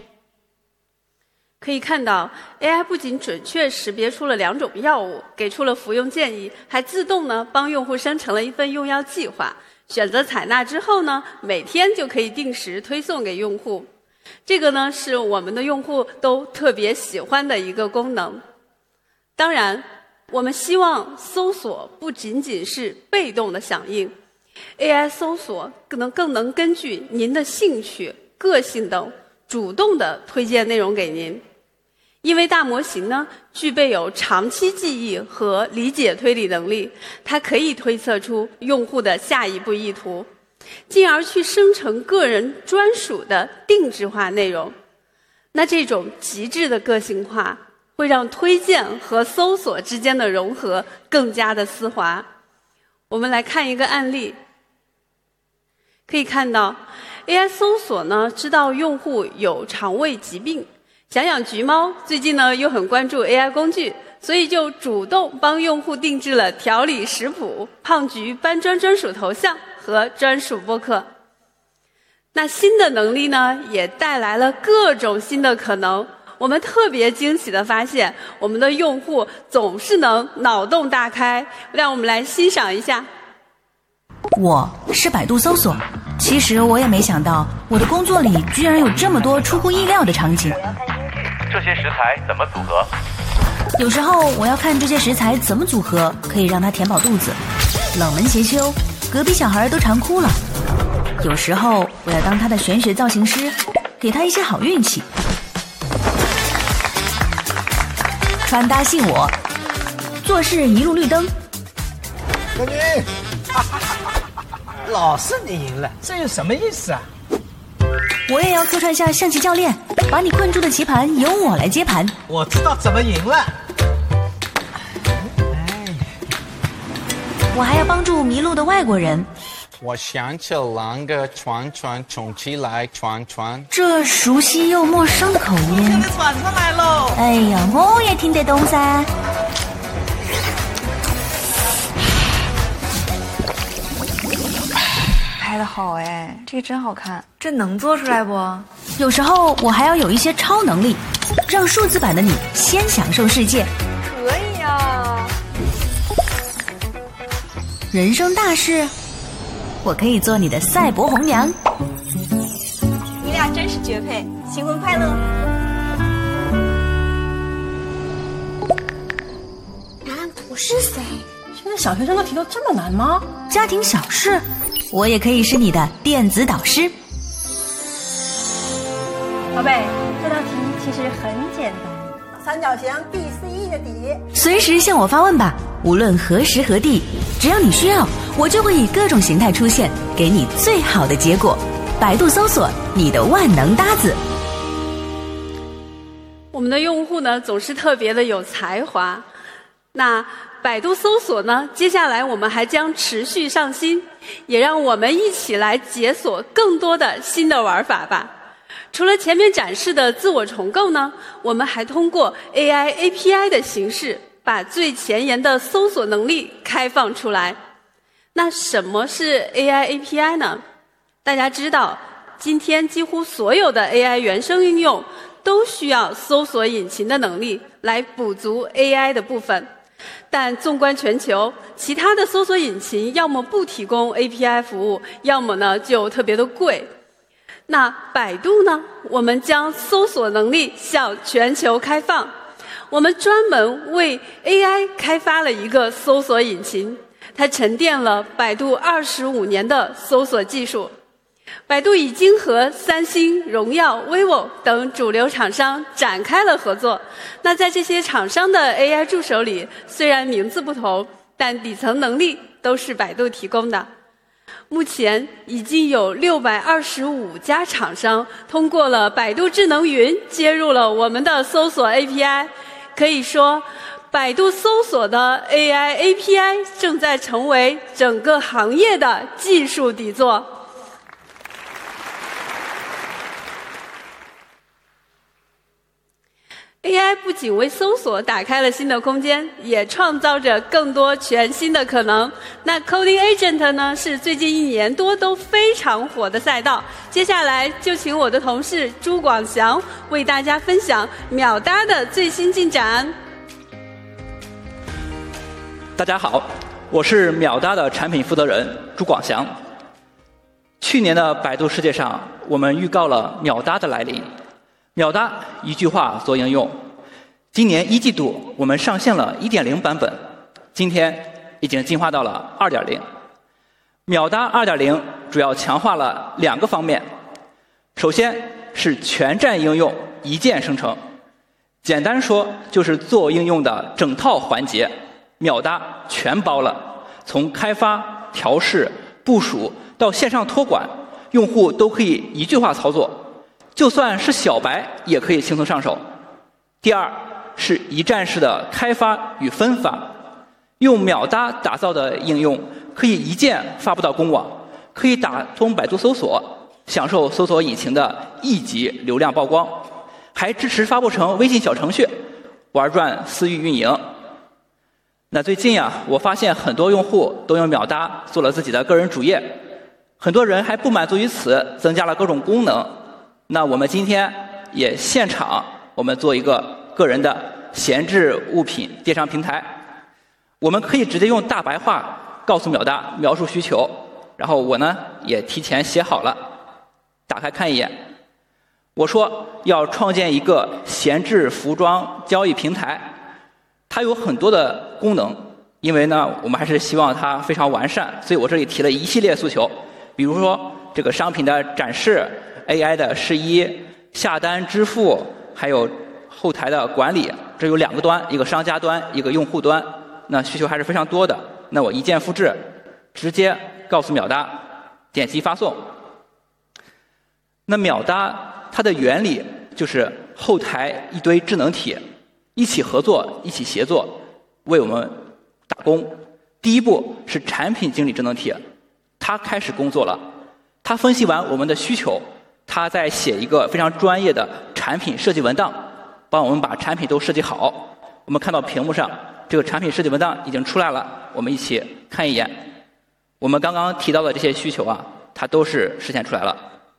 可以看到 ，AI 不仅准确识别出了两种药 物， 给出了服用建 议， 还自动呢帮用户生成了一份用药计划，选择采纳之后 呢， 每天就可以定时推送给用户。这个 呢， 是我们的用户都特别喜欢的一个功能。当 然， 我们希望搜索不仅仅是被动的响应 ，AI 搜索更能根据您的兴趣、个性等主动的推荐内容给您。因为大模型 呢， 具备有长期记忆和理解推理能 力， 它可以推测出用户的下一步意 图， 进而去生成个人专属的定制化内容。那这种极致的个性 化， 会让推荐和搜索之间的融合更加的丝滑。我们来看一个案 例， 可以看到 AI 搜索 呢， 知道用户有肠胃疾病，想养橘 猫， 最近呢又很关注 AI 工 具， 所以就主动帮用户定制了调理食谱、胖橘搬砖专属头像和专属播客。那新的能力 呢， 也带来了各种新的可能。我们特别惊喜的发 现， 我们的用户总是能脑洞大 开， 让我们来欣赏一下。我是百度搜 索， 其实我也没想 到， 我的工作里居然有这么多出乎意料的场景。这些食材怎么组 合？ 有时候我要看这些食材怎么组 合， 可以让他填饱肚子。冷门邪 修， 隔壁小孩都常哭了。有时候我要当他的玄学造型 师， 给他一些好运气。穿搭信 我， 做事一路绿灯。小 女， 哈哈 哈， 老是你赢 了， 这又什么意思啊？我也要客串下象棋教 练， 把你困住的棋盘由我来接盘。我知道怎么赢了。哎， 我还要帮助迷路的外国人。我想起了那个船 船， 重启来船 船， 这熟悉又陌生的口音。船船来 喽， 哎 呀， 我也听得懂噻。拍的好 哎， 这个真好 看， 这能做出来 不？ 有时候我还要有一些超能 力， 让数字版的你先享受世界。可以 啊， 人生大 事， 我可以做你的赛博红娘。你俩真是绝 配， 新婚快 乐！ 啊， 我是 谁？ 现在小学生的题都这么难 吗？ 家庭小事，我也可以是你的电子导师。宝 贝， 这道题其实很简 单， 三角形 DCE 的 底， 随时向我发问 吧， 无论何时何 地， 只要你需 要， 我就会以各种形态出 现， 给你最好的结果。百度搜 索， 你的万能搭子。我们的用户 呢， 总是特别的有才华。那百度搜索 呢， 接下来我们还将持续上 新， 也让我们一起来解锁更多的新的玩法吧。除了前面展示的自我重构 呢， 我们还通过 AI API 的形 式， 把最前沿的搜索能力开放出来。那什么是 AI API 呢？ 大家知 道， 今天几乎所有的 AI 原生应 用， 都需要搜索引擎的能力来补足 AI 的部分。但纵观全 球， 其他的搜索引擎要么不提供 API 服 务， 要么呢就特别的贵。那百度 呢， 我们将搜索能力向全球开 放， 我们专门为 AI 开发了一个搜索引 擎， 它沉淀了百度25年的搜索技术。百度已经和三星、荣耀、Vivo 等主流厂商展开了合作。那在这些厂商的 AI 助手 里， 虽然名字不 同， 但底层能力都是百度提供的。目前已经有625家厂商通过了百度智能 云， 接入了我们的搜索 API， 可以说百度搜索的 AI API 正在成为整个行业的技术底座。AI 不仅为搜索打开了新的空 间， 也创造着更多全新的可能。那 Coding Agent 呢， 是最近一年多都非常火的赛道。接下来就请我的同事朱广祥为大家分享秒搭的最新进展。大家 好， 我是秒搭的产品负责人朱广祥。去年的百度世界 上， 我们预告了秒搭的来临。秒搭一句话所应 用， 今年一季度我们上线了 1.0 版 本， 今天已经进化到了 2.0。秒搭 2.0 主要强化了两个方 面， 首先是全站应用一键生 成， 简单说就是做应用的整套环 节， 秒搭全包了。从开发、调试、部署到线上托 管， 用户都可以一句话操作，就算是小白也可以轻松上手。第二是一站式的开发与分 发， 用秒搭打造的应用可以一键发布到公 网， 可以打通百度搜 索， 享受搜索引擎的一级流量曝 光， 还支持发布成微信小程 序， 玩转私域运营。那最近 呀， 我发现很多用户都用秒搭做了自己的个人主 页， 很多人还不满足于 此， 增加了各种功能。那我们今天也现 场， 我们做一个个人的闲置物品电商平 台， 我们可以直接用大白话告诉秒 搭， 描述需 求， 然后我呢也提前写好 了， 打开看一眼。我说要创建一个闲置服装交易平 台， 它有很多的功 能， 因为呢我们还是希望它非常完 善， 所以我这里提了一系列诉 求， 比如说这个商品的展示、AI 的试衣、下单支 付， 还有后台的管 理， 这有两个 端， 一个商家 端， 一个用户 端， 那需求还是非常多的。那我一键复 制， 直接告诉秒 搭， 点击发送。那秒搭它的原理就是后台一堆智能 体， 一起合 作， 一起协 作， 为我们打工。第一步是产品经理智能 体， 他开始工作 了， 他分析完我们的需求，他再写一个非常专业的产品设计文 档， 帮我们把产品都设计好。我们看到屏幕 上， 这个产品设计文档已经出来 了， 我们一起看一眼。我们刚刚提到的这些需求 啊， 它都是实现出来了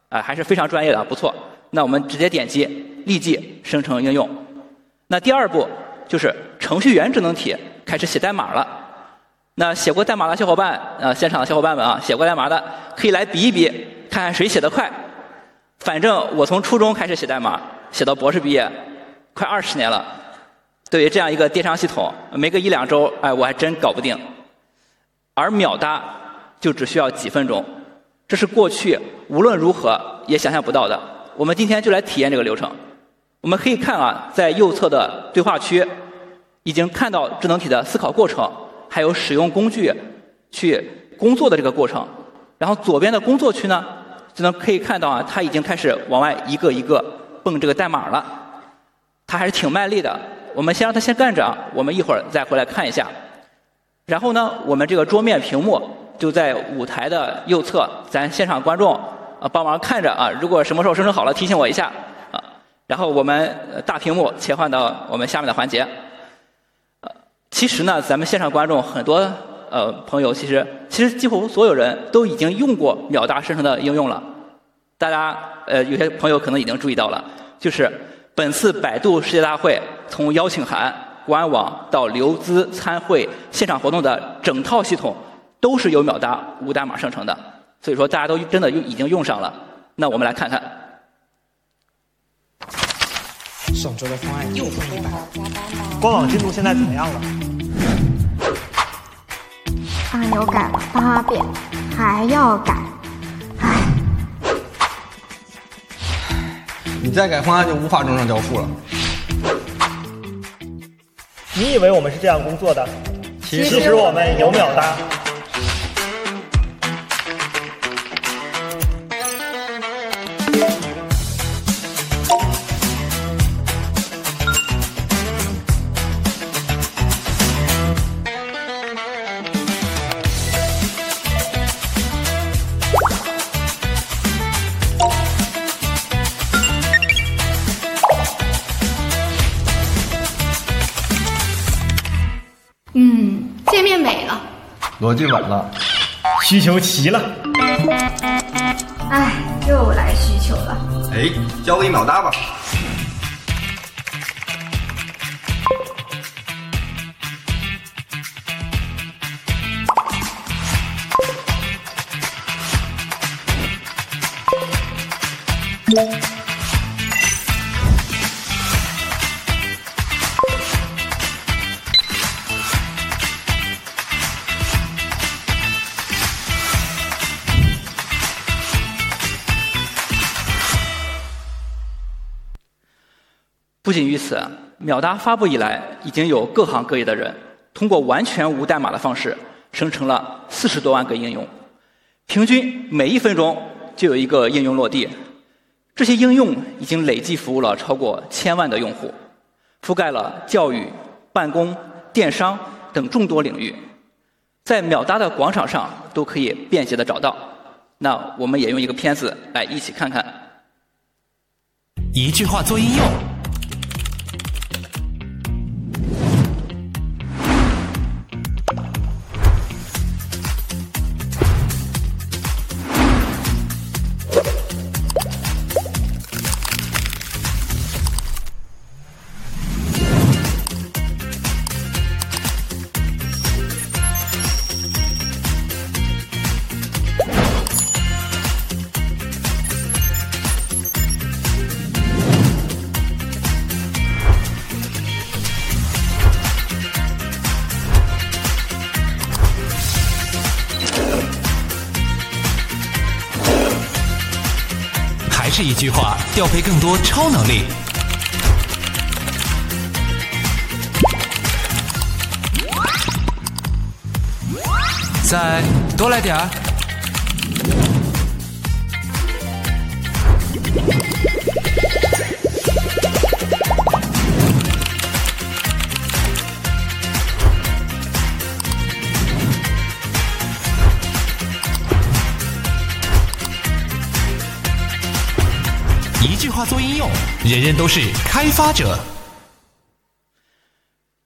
啊， 还是非常专业 的， 不错。那我们直接点击立即生成应用。那第二步就是程序员智能体开始写代码了。那写过代码的小伙伴 啊， 现场的小伙伴们 啊， 写过代码的可以来比一 比， 看看谁写的快。反正我从初中开始写代 码， 写到博士毕 业， 快20年 了， 对于这样一个电商系 统， 没个一两 周， 哎， 我还真搞不定。而秒搭就只需要几分 钟， 这是过去无论如何也想象不到的。我们今天就来体验这个流 程， 我们可以看 啊， 在右侧的对话 区， 已经看到智能体的思考过 程， 还有使用工具去工作的这个过程。然后左边的工作区呢，就能可以看到 啊， 他已经开始往外一个一个蹦这个代码 了， 他还是挺卖力的。我们先让他先干着 啊， 我们一会再回来看一下。然后 呢， 我们这个桌面屏幕就在舞台的右 侧， 咱现场观众帮忙看着 啊， 如果什么时候生成好 了， 提醒我一下啊。然后我们大屏幕切换到我们下面的环节。呃， 其实 呢， 咱们线上观众很多呃朋 友， 其实其实几乎所有人都已经用过秒搭生成的应用了。大家 呃， 有些朋友可能已经注意到 了， 就是本次百度世界大 会， 从邀请函、官网到流资餐会、现场活动的整套系 统， 都是由秒搭无代码生成的。所以说大家都真的又已经用上了。那我们来看 看， 上周的方案又换一 版， 官网进度现在怎么样了？他还要改方 案， 变还要 改， 哎， 你再改方案就无法正常交付了。你以为我们是这样工作 的？ 其实我们有秒 搭， 嗯， 界面美 了， 逻辑稳 了， 需求齐了。哎， 又来需求 了， 哎， 交给你秒搭吧。不仅于 此， 秒搭发布以 来， 已经有各行各业的人通过完全无代码的方 式， 生成了40多万个应 用， 平均每一分钟就有一个应用落地。这些应用已经累计服务了超过千万的用 户， 覆盖了教育、办公、电商等众多领 域， 在秒搭的广场上都可以便捷的找到。那我们也用一个片子来一起看 看， 一句话做应用，还是一句 话， 调配更多超能 力， 再多来点。一句话做应 用， 人人都是开发者。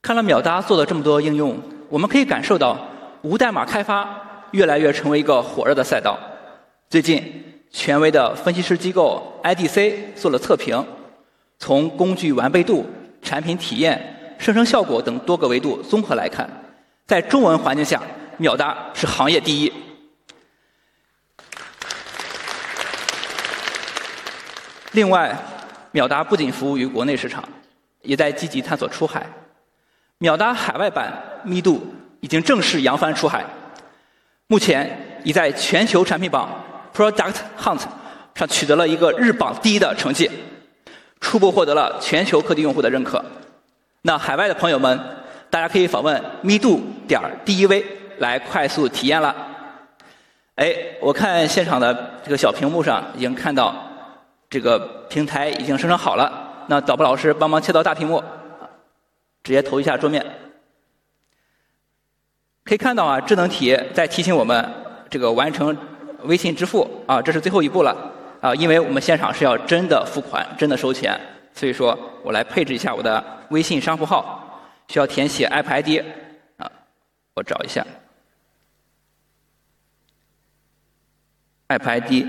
看了秒搭做了这么多应 用， 我们可以感受 到， 无代码开发越来越成为一个火热的赛道。最近权威的分析师机构 IDC 做了测 评， 从工具完备度、产品体验、生成效果等多个维度综合来 看， 在中文环境 下， 秒搭是行业第一。另 外， 秒搭不仅服务于国内市 场， 也在积极探索出海。秒搭海外版 Midu 已经正式扬帆出 海， 目前已在全球产品搒 Product Hunt 上取得了一个日搒第一的成 绩， 初步获得了全球客厅用户的认可。那海外的朋友 们， 大家可以访问 Midu 点 Dev 来快速体验了。哎， 我看现场的这个小屏幕 上， 已经看到这个平台已经生成好了。那导播老师帮忙切到大屏 幕， 直接投一下桌 面， 可以看到 啊， 智能体在提醒我们这个完成微信支付 啊， 这是最后一步了啊。因为我们现场是要真的付 款， 真的收 钱， 所以说我来配置一下我的微信商户 号， 需要填写 APP ID 啊， 我找一下 APP ID，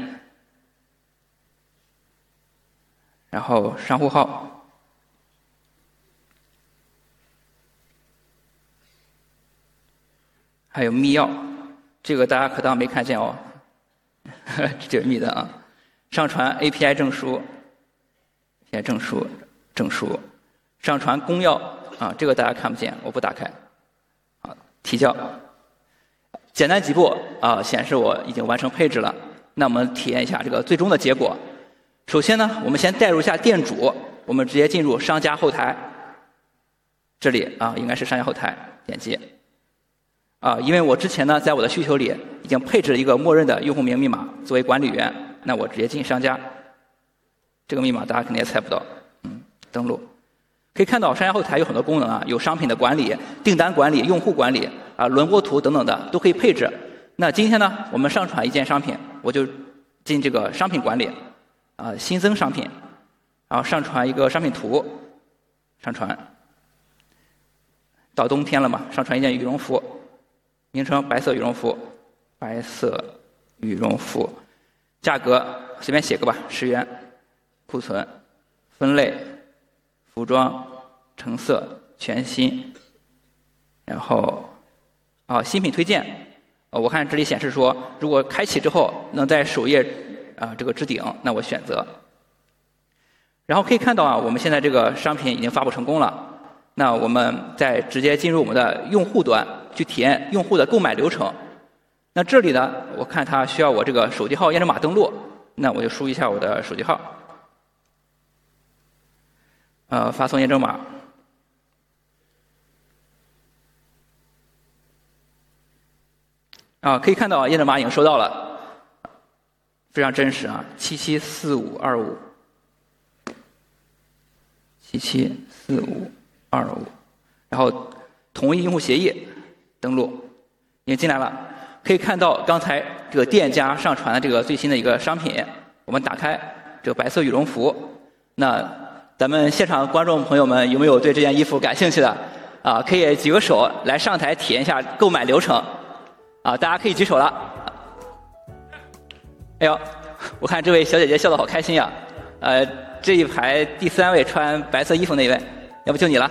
然后商户 号， 还有密 钥， 这个大家可当没看见 哦， 哈 哈， 这个密的 啊， 上传 API 证 书， 先证书证 书， 上传公钥 啊， 这个大家看不 见， 我不打开 啊， 提 交， 简单几步 啊， 显示我已经完成配置了。那我们体验一下这个最终的结果。首先 呢， 我们先代入一下店 主， 我们直接进入商家后 台， 这里 啊， 应该是商业后 台， 点击 啊， 因为我之前 呢， 在我的需求里已经配置了一个默认的用户名密码作为管理 员， 那我直接进商 家， 这个密码大家肯定也猜不到。嗯， 登 录， 可以看到商业后台有很多功能 啊， 有商品的管理、订单管理、用户管理啊、轮廓图等等的都可以配置。那今天 呢， 我们上传一件商 品， 我就进这个商品管理 啊， 新增商 品， 然后上传一个商品 图， 上 传， 到冬天了 嘛， 上传一件羽绒 服， 名称白色羽绒 服， 白色羽绒 服， 价格随便写个吧 ，10 元， 库存分 类， 服装橙色全 新， 然后 啊， 新品推 荐， 我看这里显示说如果开启之后能在首页 啊， 这个置 顶， 那我选 择， 然后可以看到 啊， 我们现在这个商品已经发布成功了。那我们再直接进入我们的用户 端， 去体验用户的购买流程。那这里 呢， 我看他需要我这个手机号验证码登 录， 那我就输一下我的手机 号， 啊， 发送验证 码， 啊， 可以看到验证码已经收到 了， 非常真实啊 ，774525，774525， 然后同意用户协议登 录， 已经进来 了， 可以看到刚才这个店家上传的这个最新的一个商 品， 我们打开这个白色羽绒 服， 那咱们现场观众朋友们有没有对这件衣服感兴趣的 啊， 可以举个手来上台体验一下购买流程 啊， 大家可以举手了。哎 呦， 我看这位小姐姐笑得好开心 呀， 呃， 这一排第三位穿白色衣服那 位， 要不就你了。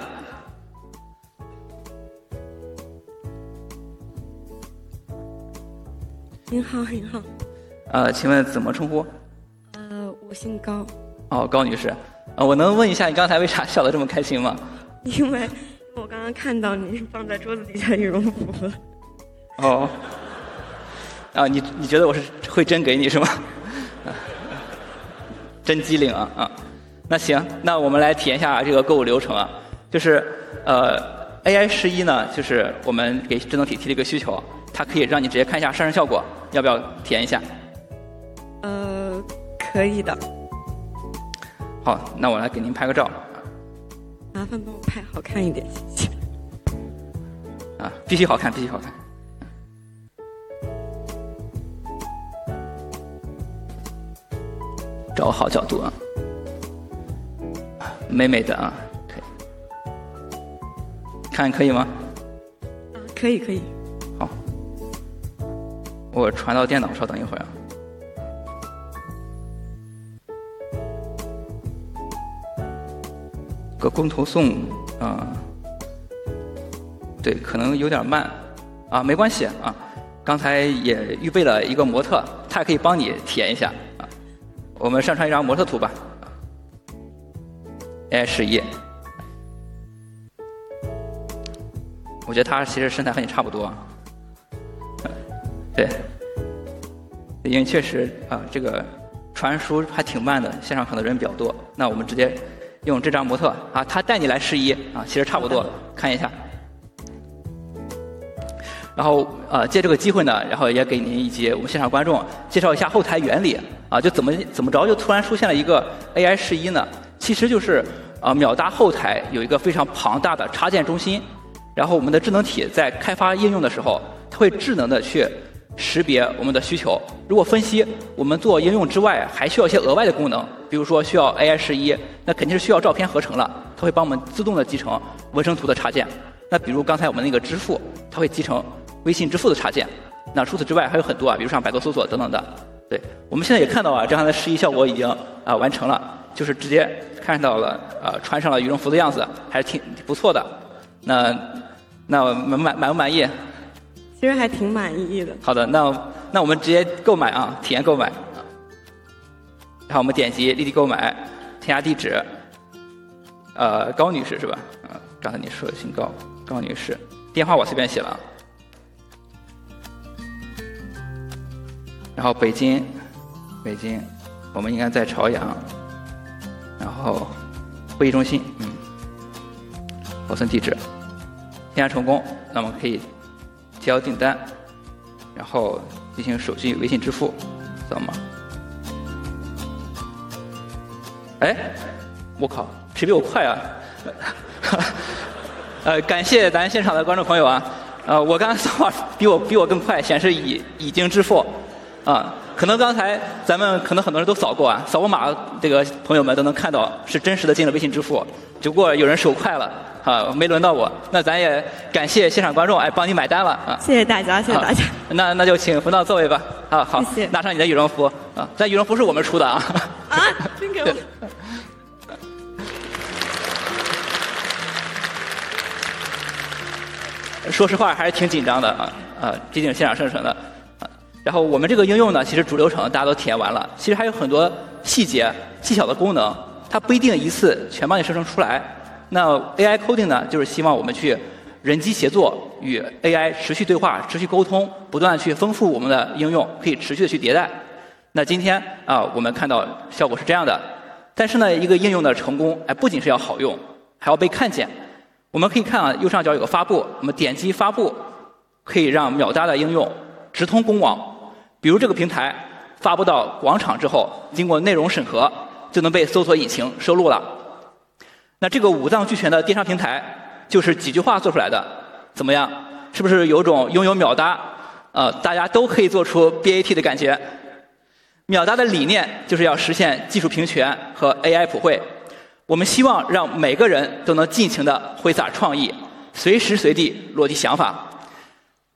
您 好， 您 好， 啊， 请问怎么称 呼？ 呃， 我姓高。哦， 高女 士， 啊， 我能问一下你刚才为啥笑得这么开心 吗？ 因为我刚刚看到你放在桌子底下羽绒服了。哦， 啊， 你你觉得我是会真给你是 吗？ 真机灵 啊， 啊， 那 行， 那我们来体验一下这个购物流程 啊， 就是呃 ，AI11 呢， 就是我们给智能体提了一个需 求， 它可以让你直接看一下上身效 果， 要不要体验一 下？ 呃， 可以的。好， 那我来给您拍个照。麻烦帮我拍好看一 点， 谢谢。啊， 必须好 看， 必须好看。找好角度 啊， 美美的 啊， 可以。看可以 吗？ 啊， 可 以， 可以。好， 我传到电脑 上， 等一会啊。个工头送 啊， 对， 可能有点慢 啊， 没关系 啊， 刚才也预备了一个模 特， 他也可以帮你体验一下。啊， 我们上传一张模特图吧 ，A11。我觉得他其实身材和你差不多。啊， 对， 因为确实 啊， 这个传输还挺慢 的， 线上可能人比较 多， 那我们直接用这张模特 啊， 他带你来试衣 啊， 其实差不多 的， 看一下。然后 啊， 借这个机会 呢， 然后也给您以及我们线上观众介绍一下后台原理 啊， 就怎么怎么 着， 就突然出现了一个 AI11 呢， 其实就是 啊， 秒搭后台有一个非常庞大的插件中 心， 然后我们的智能体在开发应用的时 候， 它会智能的去识别我们的需求。如果分析我们做应用之 外， 还需要一些额外的功 能， 比如说需要 AI11， 那肯定是需要照片合成 了， 它会帮我们自动的集成文生图的插 件， 那比如刚才我们那个支 付， 它会集成微信支付的插 件， 那除此之外还有很多 啊， 比如上百度搜索等等 的， 对， 我们现在也看到 啊， 这样的试衣效果已经啊完成 了， 就是直接看到了 啊， 穿上了羽绒服的样 子， 还是挺不错的。那那我们满不满 意？ 其实还挺满意的。好 的， 那那我们直接购买 啊， 体验购 买， 然后我们点击立即购 买， 添加地 址， 呃， 高女士是 吧？ 刚才你说的姓 高， 高女士电话我随便写了，然后北 京， 北京我们应该在朝 阳， 然后会议中 心， 嗯， 保存地 址， 添加成 功， 那么可以提交订 单， 然后进行手机微信支 付， 扫码。哎， 我 靠， 谁比我快 啊， 哈哈哈。呃， 感谢咱现场的观众朋友 啊， 啊， 我刚才扫码比我比我更 快， 显示已已经支付 啊， 可能刚才咱们可能很多人都扫过 啊， 扫过 码， 这个朋友们都能看到是真实的进了微信支 付， 只不过有人手快了 啊， 没轮到 我， 那咱也感谢现场观众 哎， 帮你买单了 啊， 谢谢大 家， 谢谢大家。那那就请回到座位 吧， 啊， 好， 谢 谢， 拿上你的羽绒服 啊， 这羽绒服是我们出的 啊， 哈哈 哈， 真给我。说实话还是挺紧张的 啊， 啊， 毕竟现场生成的，然后我们这个应用 呢， 其实主流程大家都体验完 了， 其实还有很多细节细小的功 能， 它不一定一次全帮你生成出来。那 AI coding 呢， 就是希望我们去人机协 作， 与 AI 持续对 话， 持续沟 通， 不断去丰富我们的应 用， 可以持续的去迭代。那今天 啊， 我们看到效果是这样 的， 但是 呢， 一个应用的成 功， 哎， 不仅是要好 用， 还要被看见。我们可以看 啊， 右上角有个发 布， 我们点击发 布， 可以让秒搭的应用直通公网，比如这个平台发布到广场之 后， 经过内容审核就能被搜索引擎收录了。那这个五脏俱全的电商平 台， 就是几句话做出来 的， 怎么 样， 是不是有种拥有秒搭 啊， 大家都可以做出 BAT 的感觉。秒搭的理念就是要实现技术平权和 AI 普 惠， 我们希望让每个人都能尽情的挥洒创 意， 随时随地落地想法。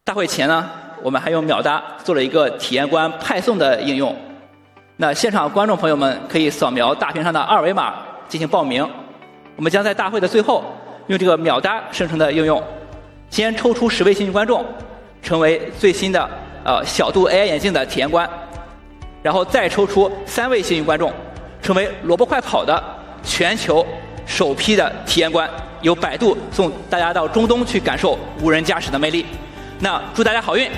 大会前呢，我们还用秒搭做了一个体验官派送的应 用， 那现场观众朋友们可以扫描大屏上的二维码进行报 名， 我们将在大会的最后用这个秒搭生成的应 用， 先抽出10位幸运观 众， 成为最新的 呃， 小度 AI 眼镜的体验 官， 然后再抽出3位幸运观 众， 成为萝卜快跑的全球首批的体验 官， 有百度送大家到中东去感受无人驾驶的魅力。那祝大家好运，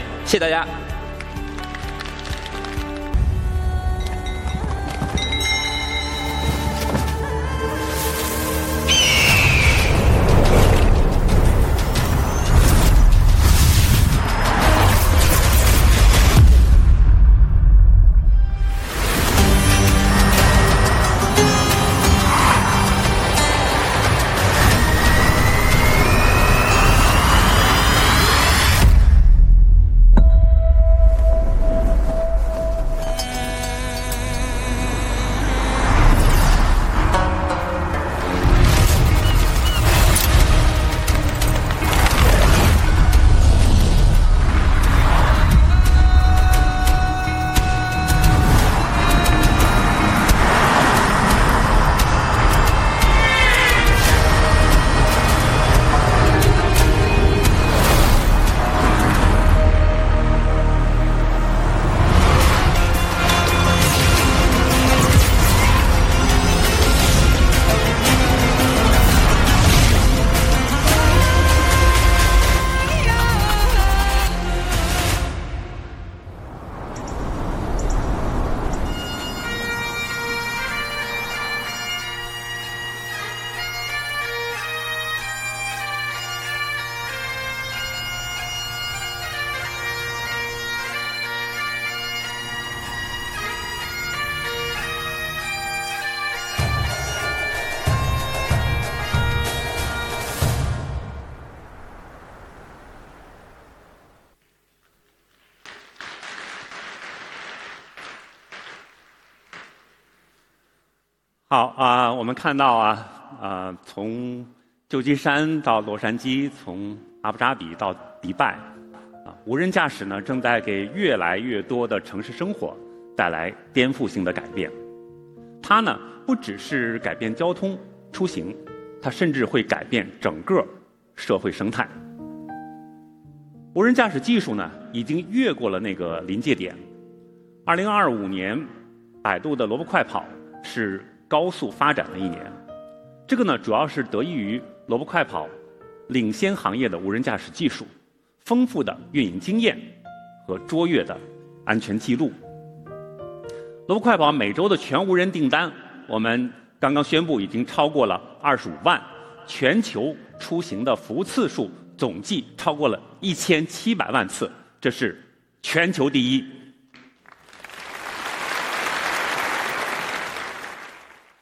谢谢大家。好 啊， 我们看到 啊， 呃， 从旧金山到洛杉 矶， 从阿布扎比到迪 拜， 啊， 无人驾驶 呢， 正在给越来越多的城市生活带来颠覆性的改变。它 呢， 不只是改变交通出 行， 它甚至会改变整个社会生态。无人驾驶技术 呢， 已经越过了那个临界点 ，2025 年， 百度的萝卜快跑是高速发展的一 年， 这个 呢， 主要是得益于萝卜快跑领先行业的无人驾驶技术、丰富的运营经验和卓越的安全记录。萝卜快跑每周的全无人订 单， 我们刚刚宣布已经超过了25 万， 全球出行的服务次数总计超过了 1,700 万 次， 这是全球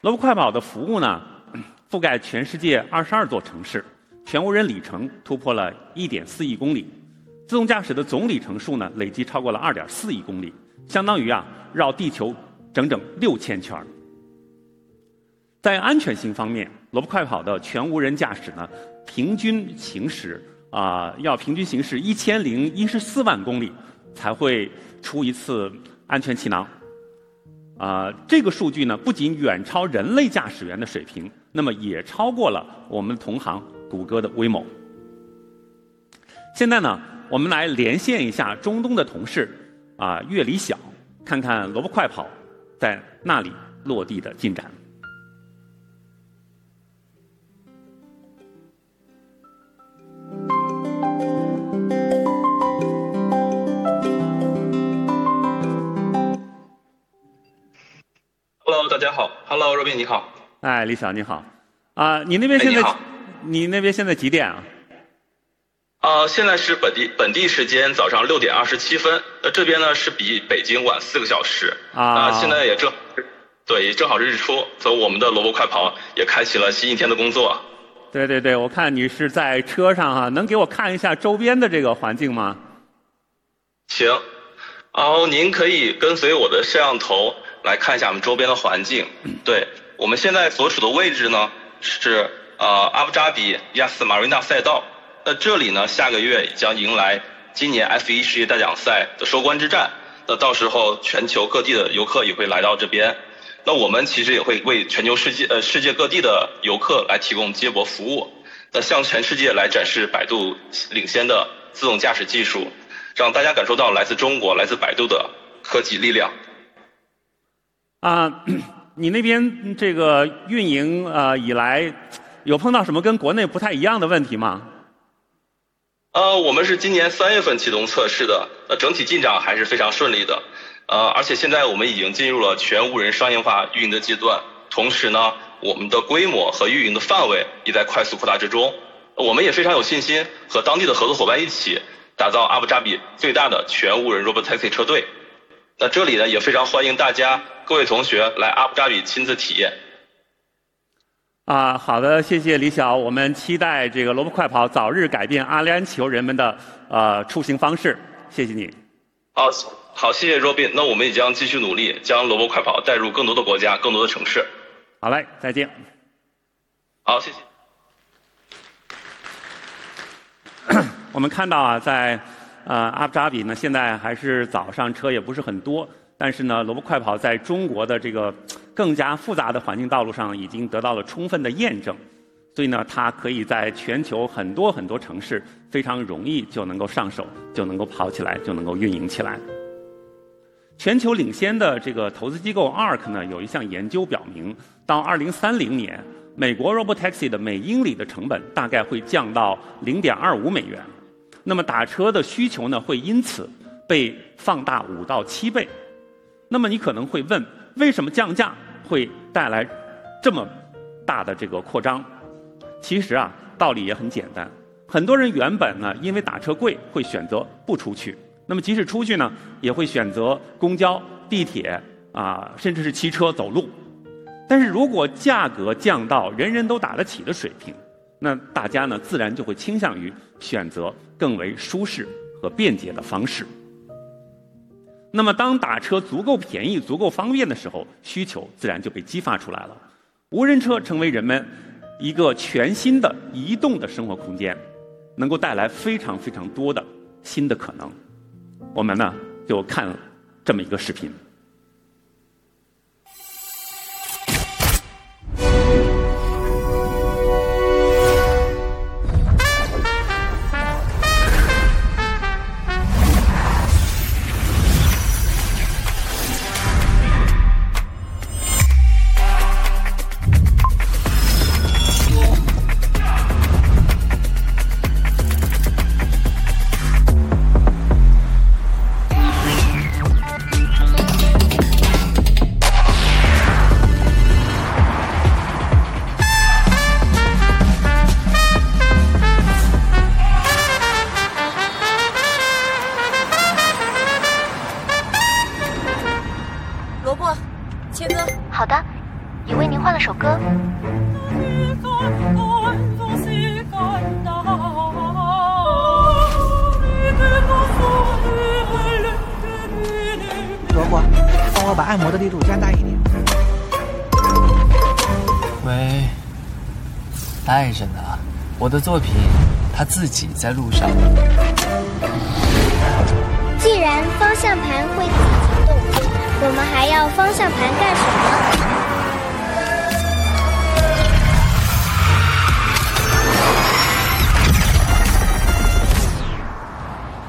第一。萝卜快跑的服务 呢， 覆盖全世界22座城 市， 全无人里程突破了 1.4 亿公 里， 自动驾驶的总里程数 呢， 累计超过了 2.4 亿公 里， 相当于 啊， 绕地球整整 6,000 圈。在安全性方 面， 萝卜快跑的全无人驾驶 呢， 平均行驶 啊， 要平均行驶 1,014 万公 里， 才会出一次安全气囊。啊， 这个数据 呢， 不仅远超人类驾驶员的水 平， 那么也超过了我们同行谷歌的威猛。现在 呢， 我们来连线一下中东的同事 啊， 月里 小， 看看萝卜快跑在那里落地的进展。哈 喽， 大家 好， 哈 喽， 罗宾你 好， 哎， 李晓你 好， 啊， 你那边现在你那边现在几点 啊？ 啊， 现在是本地本地时间早上 6:27， 这边 呢， 是比北京晚4个小时 啊， 现在也正 对， 正好是日 出， 所以我们的萝卜快跑也开启了新一天的工作。对对 对， 我看你是在车上 啊， 能给我看一下周边的这个环境 吗？ 行， 哦， 您可以跟随我的摄像头来看一下我们周边的环境。嗯， 对， 我们现在所处的位置 呢， 是 啊， 阿布扎比亚斯马瑞纳赛 道， 那这里 呢， 下个月将迎来今年 F1 世界大奖赛的收官之 战， 那到时候全球各地的游客也会来到这 边， 那我们其实也会为全球世 界， 呃， 世界各地的游客来提供接驳服 务， 那向全世界来展示百度领先的自动驾驶技 术， 让大家感受到来自中国、来自百度的科技力量。啊， 你那边这个运营 啊， 以来有碰到什么跟国内不太一样的问题 吗？ 啊， 我们是今年3月份启动测试 的， 那整体进展还是非常顺利 的， 啊， 而且现在我们已经进入了全无人商业化运营的阶 段， 同时 呢， 我们的规模和运营的范围也在快速扩大之 中， 我们也非常有信心和当地的合作伙伴一起打造阿布扎比最大的全无人 Robotaxi 车队，那这里 呢， 也非常欢迎大 家， 各位同学来阿布扎比亲自体验。啊， 好 的， 谢谢李 晓， 我们期待这个萝卜快跑早日改变阿联酋人们的 呃， 出行方 式， 谢谢你。好 好， 谢谢 Robin， 那我们也将继续努 力， 将萝卜快跑带入更多的国 家， 更多的城市。好 嘞， 再见。好， 谢谢。我们看到 啊， 在 呃， 阿布扎比 呢， 现在还是早 上， 车也不是很 多， 但是 呢， 萝卜快跑在中国的这个更加复杂的环境道路上已经得到了充分的验 证， 所以 呢， 它可以在全球很多很多城市非常容易就能够上 手， 就能够跑起 来， 就能够运营起来。全球领先的这个投资机构 ARC 呢， 有一项研究表 明， 到2030 年， 美国 Robotaxi 的每英里的成本大概会降到 $0.25， 那么打车的需求 呢， 会因此被放大5到7 倍。那么你可能会 问， 为什么降价会带来这么大的这个扩 张？ 其实 啊， 道理也很简 单， 很多人原本 呢， 因为打车 贵， 会选择不出 去， 那么即使出去 呢， 也会选择公交、地铁 啊， 甚至是骑车走路。但是如果价格降到人人都打得起的水平，那大家 呢， 自然就会倾向于选择更为舒适和便捷的方式。那么当打车足够便宜、足够方便的时 候， 需求自然就被激发出来 了， 无人车成为人们一个全新的移动的生活空 间， 能够带来非常非常多的新的可能。我们 呢， 就看这么一个视频。萝卜切 歌， 好 的， 也为您换了首歌。萝 卜， 帮我把按摩的力度加大一点。喂， 带着 呢， 我的作品它自己在路上。既然方向盘会自己 动， 我们还要方向盘干什 么？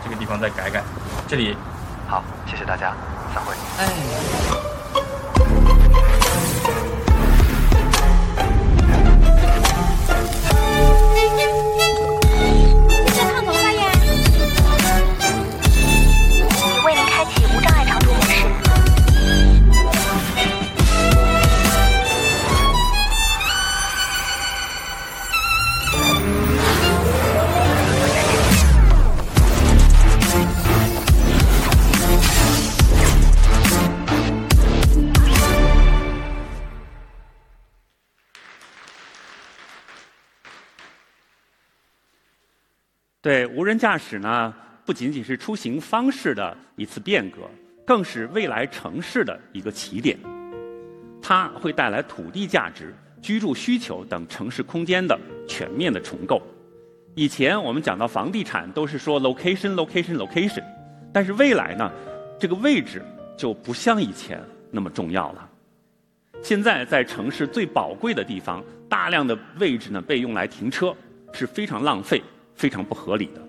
这个地方再改 改， 这里 好， 谢谢大 家， 散会。哎， 你想烫头发 呀？ 已为您开启无障碍长途模式。对无人驾驶 呢， 不仅仅是出行方式的一次变 革， 更是未来城市的一个起 点， 它会带来土地价值、居住需求等城市空间的全面的重构。以前我们讲到房地 产， 都是说 location、location、location， 但是未来 呢， 这个位置就不像以前那么重要了。现在在城市最宝贵的地 方， 大量的位置 呢， 被用来停 车， 是非常浪费、非常不合理的。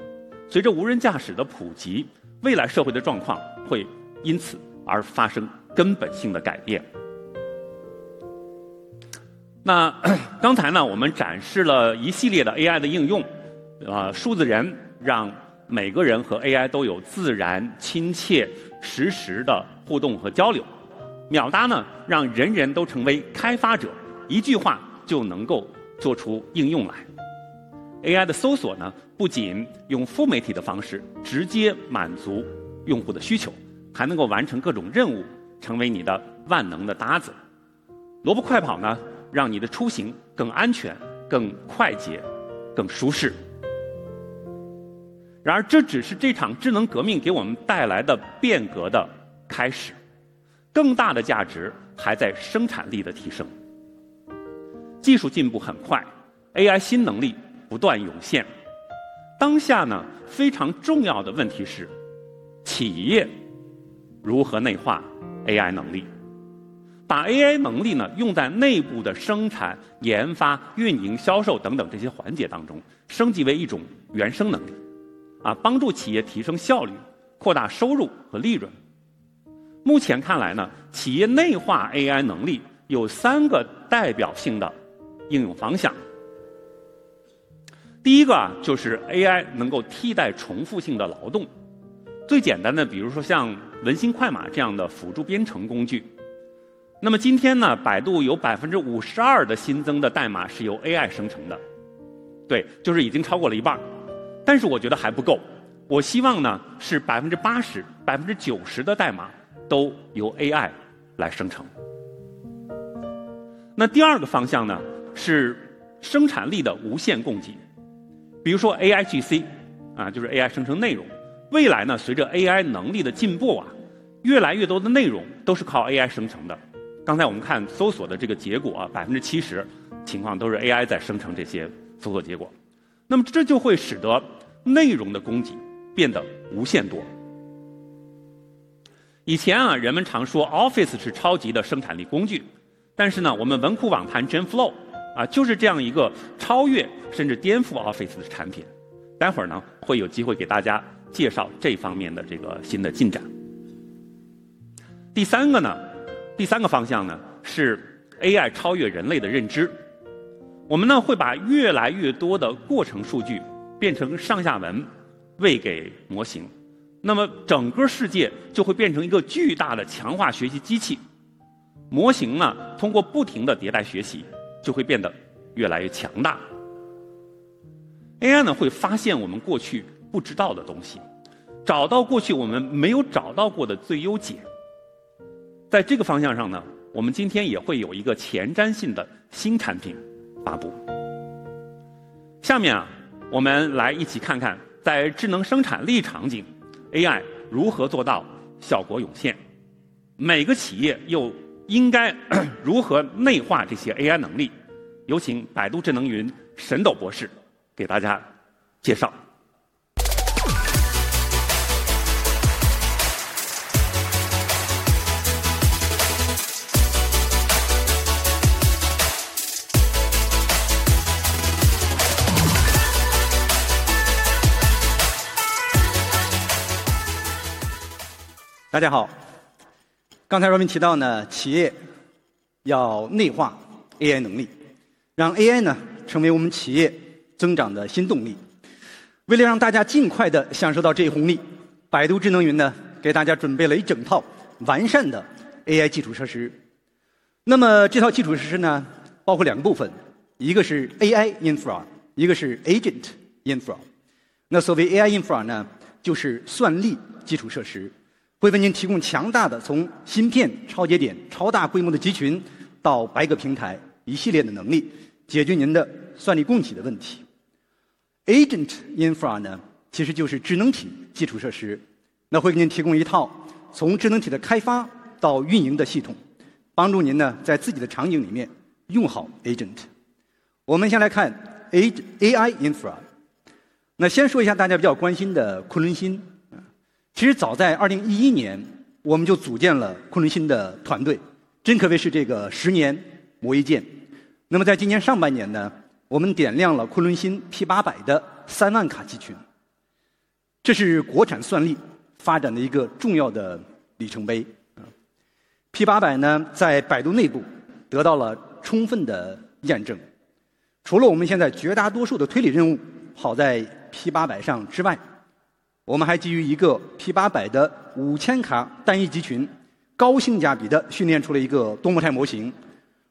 随着无人驾驶的普 及， 未来社会的状况会因此而发生根本性的改变。那刚才 呢， 我们展示了一系列的 AI 的应用 啊， 数字人让每个人和 AI 都有自然、亲切、实时的互动和交 流； 秒答 呢， 让人人都成为开发 者， 一句话就能够做出应用来。AI 的搜索 呢， 不仅用负媒体的方式直接满足用户的需 求， 还能够完成各种任 务， 成为你的万能的搭子。萝卜快跑 呢， 让你的出行更安全、更快捷、更舒适。然 而， 这只是这场智能革命给我们带来的变革的开 始， 更大的价值还在生产力的提升。技术进步很快 ，AI 新能力不断涌现。当下 呢， 非常重要的问题是企业如何内化 AI 能 力， 把 AI 能力 呢， 用在内部的生产、研发、运营、销售等等这些环节当 中， 升级为一种原生能力 啊， 帮助企业提升效 率， 扩大收入和利润。目前看来 呢， 企业内化 AI 能力有三个代表性的应用方向。第一个就是 AI 能够替代重复性的劳 动， 最简单 的， 比如说像文心快马这样的辅助编程工具。那么今天 呢， 百度有 52% 的新增的代码是由 AI 生成 的， 对， 就是已经超过了一 半， 但是我觉得还不够。我希望 呢， 是 80%、90% 的代码都由 AI 来生成。那第二个方向 呢， 是生产力的无限供给，比如说 AIGC 啊， 就是 AI 生成内容。未来 呢， 随着 AI 能力的进步 啊， 越来越多的内容都是靠 AI 生成的。刚才我们看搜索的这个结果 ，70% 情况都是 AI 在生成这些搜索结果。那么这就会使得内容的供给变得无限多。以前 啊， 人们常说 office 是超级的生产力工 具， 但是 呢， 我们文库网盘 Genflo 啊， 就是这样一个超越甚至颠覆 office 的产品。待会 呢， 会有机会给大家介绍这方面的这个新的进展。第三个 呢， 第三个方向 呢， 是 AI 超越人类的认知。我们 呢， 会把越来越多的过程数据变成上下 文， 喂给模型。那么整个世界就会变成一个巨大的强化学习机 器， 模型 呢， 通过不停的迭代学 习， 就会变得越来越强大。AI 呢， 会发现我们过去不知道的东 西， 找到过去我们没有找到过的最优解。在这个方向上 呢， 我们今天也会有一个前瞻性的新产品发布。下面 啊， 我们来一起看看在智能生产力场景 ，AI 如何做到效果涌 现， 每个企业又应该如何内化这些 AI 能力。有请百度智能云沈斗博士给大家介绍。大家 好， 刚才罗宾提到 呢， 企业要内化 AI 能 力， 让 AI 呢成为我们企业增长的新动力。为了让大家尽快的享受到这一红 利， 百度智能云 呢， 给大家准备了一整套完善的 AI 基础设施。那么这套基础设施 呢， 包括两个部 分， 一个是 AI infra， 一个是 agent infra。那所谓 AI infra 呢， 就是算力基础设 施， 会为您提供强大的从芯片超节点、超大规模的集群到百个平台一系列的能 力， 解决您的算力供给的问题。agent infra 呢， 其实就是智能体基础设 施， 那会给您提供一套从智能体的开发到运营的系 统， 帮助您 呢， 在自己的场景里面用好 agent。我们先来看 AI infra， 那先说一下大家比较关心的昆仑新。其实早在2011 年， 我们就组建了昆仑新的团 队， 真可谓是这个十年磨一剑。那么在今年上半年呢，我们点亮了昆仑新 P800 的3万卡集 群， 这是国产算力发展的一个重要的里程碑。P800 呢， 在百度内部得到了充分的验 证， 除了我们现在绝大多数的推理任务好在 P800 上之 外， 我们还基于一个 P800 的 5,000 卡单一集 群， 高性价比的训练出了一个多模态模型。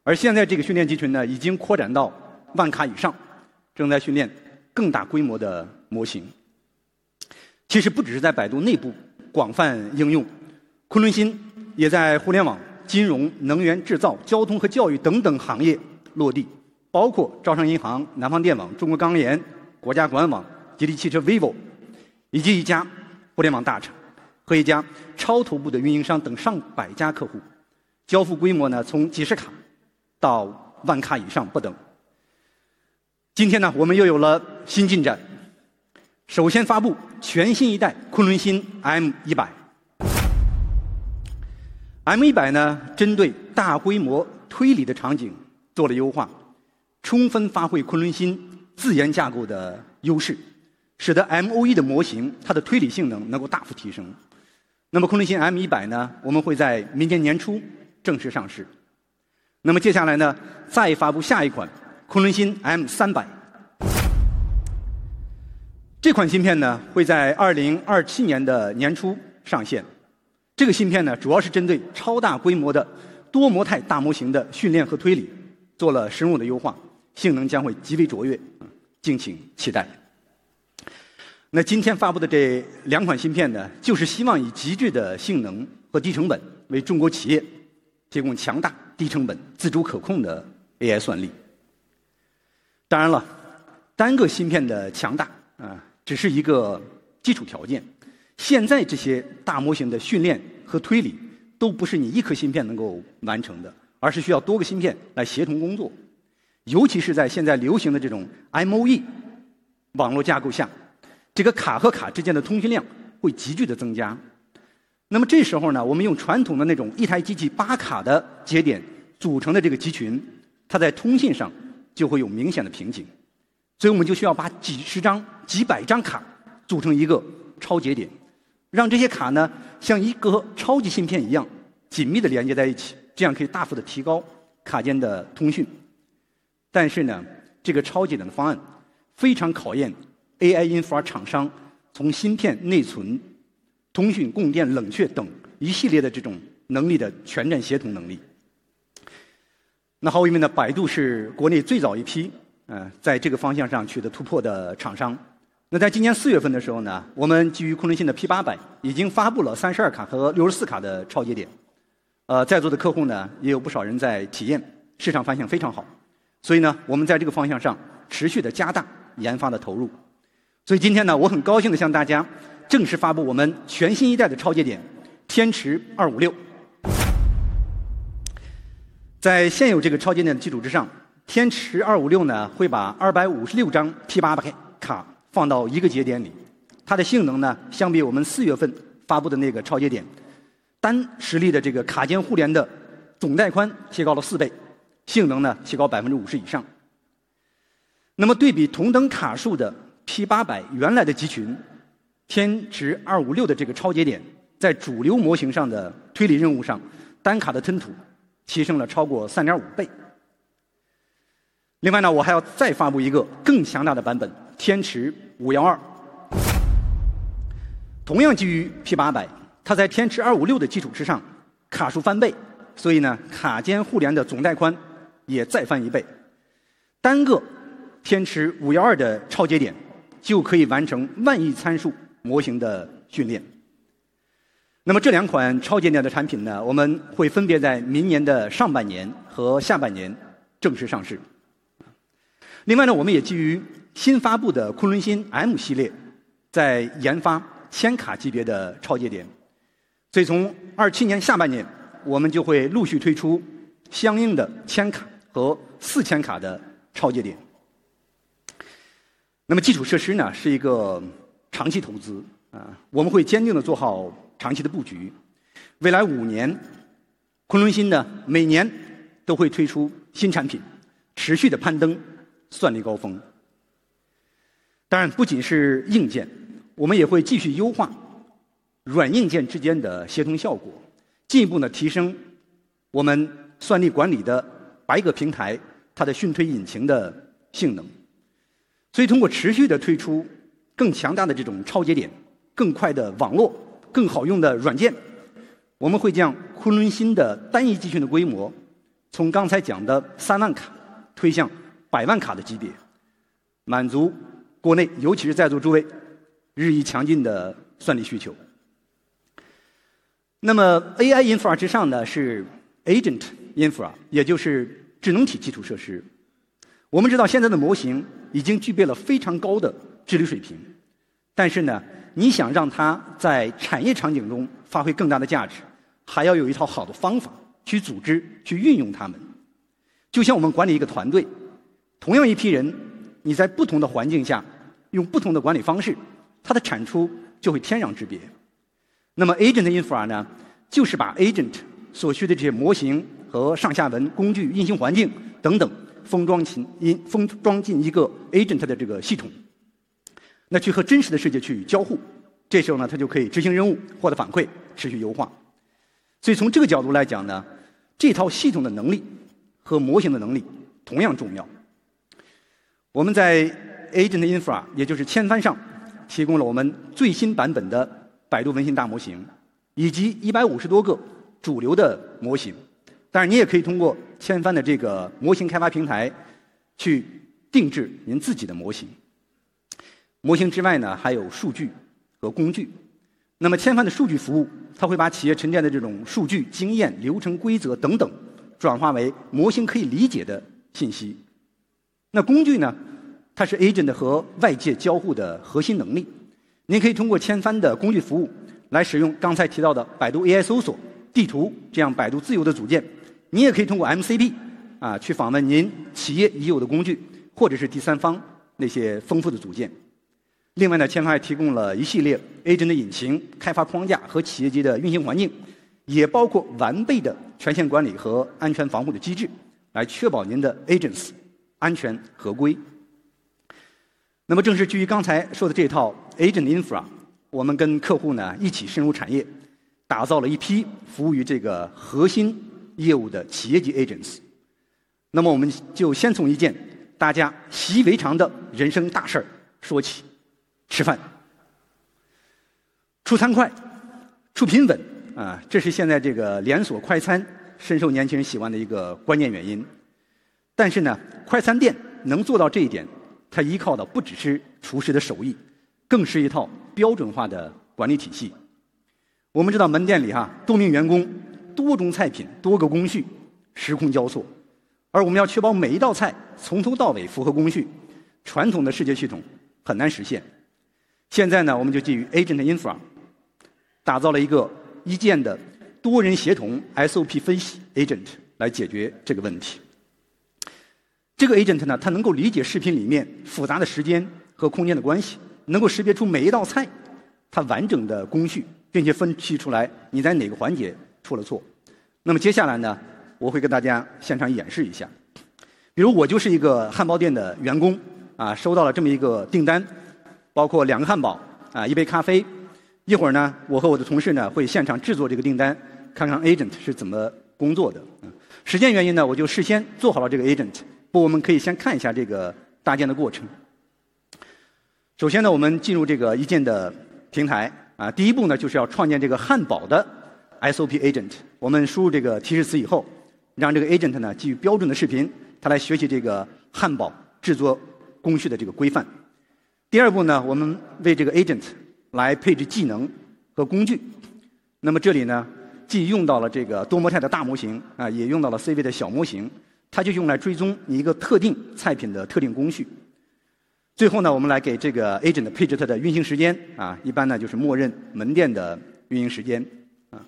而现在这个训练集群 呢， 已经扩展到万卡以 上， 正在训练更大规模的模型。其实不只是在百度内部广泛应 用， 昆仑新也在互联网、金融、能源、制造、交通和教育等等行业落 地， 包括招商银行、南方电网、中国钢联、国家管网、吉利汽车、Vivo 以及一家互联网大厂和一家超头部的运营商等上百家客户。交付规模 呢， 从几十卡到万卡以上不等。今天 呢， 我们又有了新进 展， 首先发布全新一代昆仑新 M100。M100 呢， 针对大规模推理的场景做了优 化， 充分发挥昆仑新自研架构的优 势， 使得 MOE 的模 型， 它的推理性能能够大幅提升。那么昆仑新 M100 呢， 我们会在明年年初正式上市。那么接下来 呢， 再发布下一款昆仑新 M300。这款芯片 呢， 会在2027年的年初上线。这个芯片 呢， 主要是针对超大规模的多模态大模型的训练和推 理， 做了深入的优 化， 性能将会极为卓 越， 敬请期待。那今天发布的这两款芯片 呢， 就是希望以极致的性能和低成 本， 为中国企业提供强大、低成本、自主可控的 AI 算力。当然 了， 单个芯片的强大 啊， 只是一个基础条件。现在这些大模型的训练和推 理， 都不是你一颗芯片能够完成 的， 而是需要多个芯片来协同工 作， 尤其是在现在流行的这种 MOE 网络架构 下， 这个卡和卡之间的通讯量会急剧的增加。那么这时候 呢， 我们用传统的那种一台机器8卡的节点组成的这个集 群， 它在通信上就会有明显的瓶颈。所以我们就需要把几十张、几百张卡组成一个超节 点， 让这些卡 呢， 像一个超级芯片一样紧密的连接在一 起， 这样可以大幅的提高卡间的通讯。但是 呢， 这个超级的方案非常考验 AI infra 厂商从芯片、内存、通讯、供电、冷却等一系列的这种能力的全站协同能力。那毫无疑问 呢， 百度是国内最早一批在这个方向上取得突破的厂商。那在今年4月份的时候 呢， 我们基于昆仑新的 P800 已经发布了32卡和64卡的超节点 啊， 在座的客户 呢， 也有不少人在体 验， 市场反响非常好。所以 呢， 我们在这个方向上持续的加大研发的投入。所以今天 呢， 我很高兴的向大家正式发布我们全新一代的超节点天池 256。在现有这个超节点的基础之 上， 天池256 呢， 会把256张 P800 卡放到一个节点 里， 它的性能 呢， 相比我们4月份发布的那个超节 点， 单实力的这个卡间互联的总带宽提高了4 倍， 性能 呢， 提高 50% 以上。那么对比同等卡数的 P800 原来的集 群， 天池256的这个超节 点， 在主流模型上的推理任务 上， 单卡的吞吐提升了超过 3.5 倍。另外 呢， 我还要再发布一个更强大的版 本， 天池 512， 同样基于 P800， 它在天池256的基础之 上， 卡数翻倍。所以 呢， 卡间互联的总带宽也再翻一倍。单个天池512的超节 点， 就可以完成万亿参数模型的训练。那么这两款超节点的产品 呢， 我们会分别在明年的上半年和下半年正式上市。另外 呢， 我们也基于新发布的昆仑新 M 系 列， 在研发千卡级别的超节点。所以从27年下半 年， 我们就会陆续推出相应的千卡和 4,000 卡的超节点。那么基础设施 呢， 是一个长期投资 啊， 我们会坚定的做好长期的布局。未来5 年， 昆仑新 呢， 每年都会推出新产 品， 持续的攀登算力高峰。当然不仅是硬 件， 我们也会继续优化软硬件之间的协同效 果， 进一步 呢， 提升我们算力管理的百格平 台， 它的熏推引擎的性能。所以通过持续的推出更强大的这种超节点、更快的网络、更好用的软 件， 我们会将昆仑新的单一集群的规 模， 从刚才讲的3万卡推向百万卡的级 别， 满足国内尤其是在座诸位日益强劲的算力需求。那么 AI infra 之上的是 agent infra， 也就是智能体基础设施。我们知 道， 现在的模型已经具备了非常高的治理水平，但是 呢， 你想让它在产业场景中发挥更大的价 值， 还要有一套好的方法去组织、去运用它们。就像我们管理一个团 队， 同样一批 人， 你在不同的环境下用不同的管理方 式， 它的产出就会天壤之别。那么 agent infra 呢， 就是把 agent 所需的这些模型和上下文工具、运行环境等 等， 封装进封装进一个 agent 的这个系统，那去和真实的世界去交互。这时候 呢， 它就可以执行任务、获得反馈、持续优化。所以从这个角度来讲 呢， 这套系统的能力和模型的能力同样重要。我们在 agent infra， 也就是千帆 上， 提供了我们最新版本的百度文心大模 型， 以及150多个主流的模型。但是你也可以通过千帆的这个模型开发平台去定制您自己的模型。模型之外 呢， 还有数据和工具。那么千帆的数据服 务， 它会把企业沉淀的这种数据经验、流程、规则等 等， 转化为模型可以理解的信息。那工具 呢， 它是 agent 和外界交互的核心能力。您可以通过千帆的工具服务来使用刚才提到的百度 AI 搜索、地图这样百度自由的组件。您也可以通过 MCP 啊去访问您企业已有的工 具， 或者是第三方那些丰富的组件。另外 呢， 千帆还提供了一系列 agent 的引擎、开发框架和企业级的运行环 境， 也包括完备的权限管理和安全防护的机 制， 来确保您的 agents 安全合规。那么正是基于刚才说的这套 agent infra， 我们跟客户呢一起深入产 业， 打造了一批服务于这个核心业务的企业级 agents。那么我们就先从一件大家习以为常的人生大事说起：吃饭、出餐快、出品稳啊。这是现在这个连锁快餐深受年轻人喜欢的一个关键原因。但是 呢， 快餐店能做到这一 点， 它依靠的不只是厨师的手 艺， 更是一套标准化的管理体系。我们知道门店里 啊， 多名员工、多种菜品、多个工序、时空交 错， 而我们要确保每一道菜从头到尾符合工 序， 传统的世界系统很难实现。现在 呢， 我们就基于 agent infra 打造了一个一键的多人协同 SOP 分析 agent 来解决这个问题。这个 agent 呢， 它能够理解视频里面复杂的时间和空间的关 系， 能够识别出每一道菜它完整的工 序， 并且分析出来你在哪个环节出了错。那么接下来 呢， 我会跟大家现场演示一下。比如我就是一个汉堡店的员工 啊， 收到了这么一个订单，包括两个汉堡啊、一杯咖啡。一会 呢， 我和我的同事呢会现场制作这个订 单， 看看 agent 是怎么工作的。时间原因 呢， 我就事先做好了这个 agent， 不过我们可以先看一下这个搭建的过程。首先 呢， 我们进入这个一键的平台 啊， 第一步 呢， 就是要创建这个汉堡的 SOP agent。我们输入这个提示词以 后， 让这个 agent 呢基于标准的视 频， 它来学习这个汉堡制作工序的这个规范。第二步 呢， 我们为这个 agent 来配置技能和工具。那么这里 呢， 既用到了这个多模态的大模型 啊， 也用到了 CV 的小模 型， 它就用来追踪你一个特定菜品的特定工序。最后 呢， 我们来给这个 agent 配置它的运行时间 啊， 一般呢就是默认门店的运营时间啊。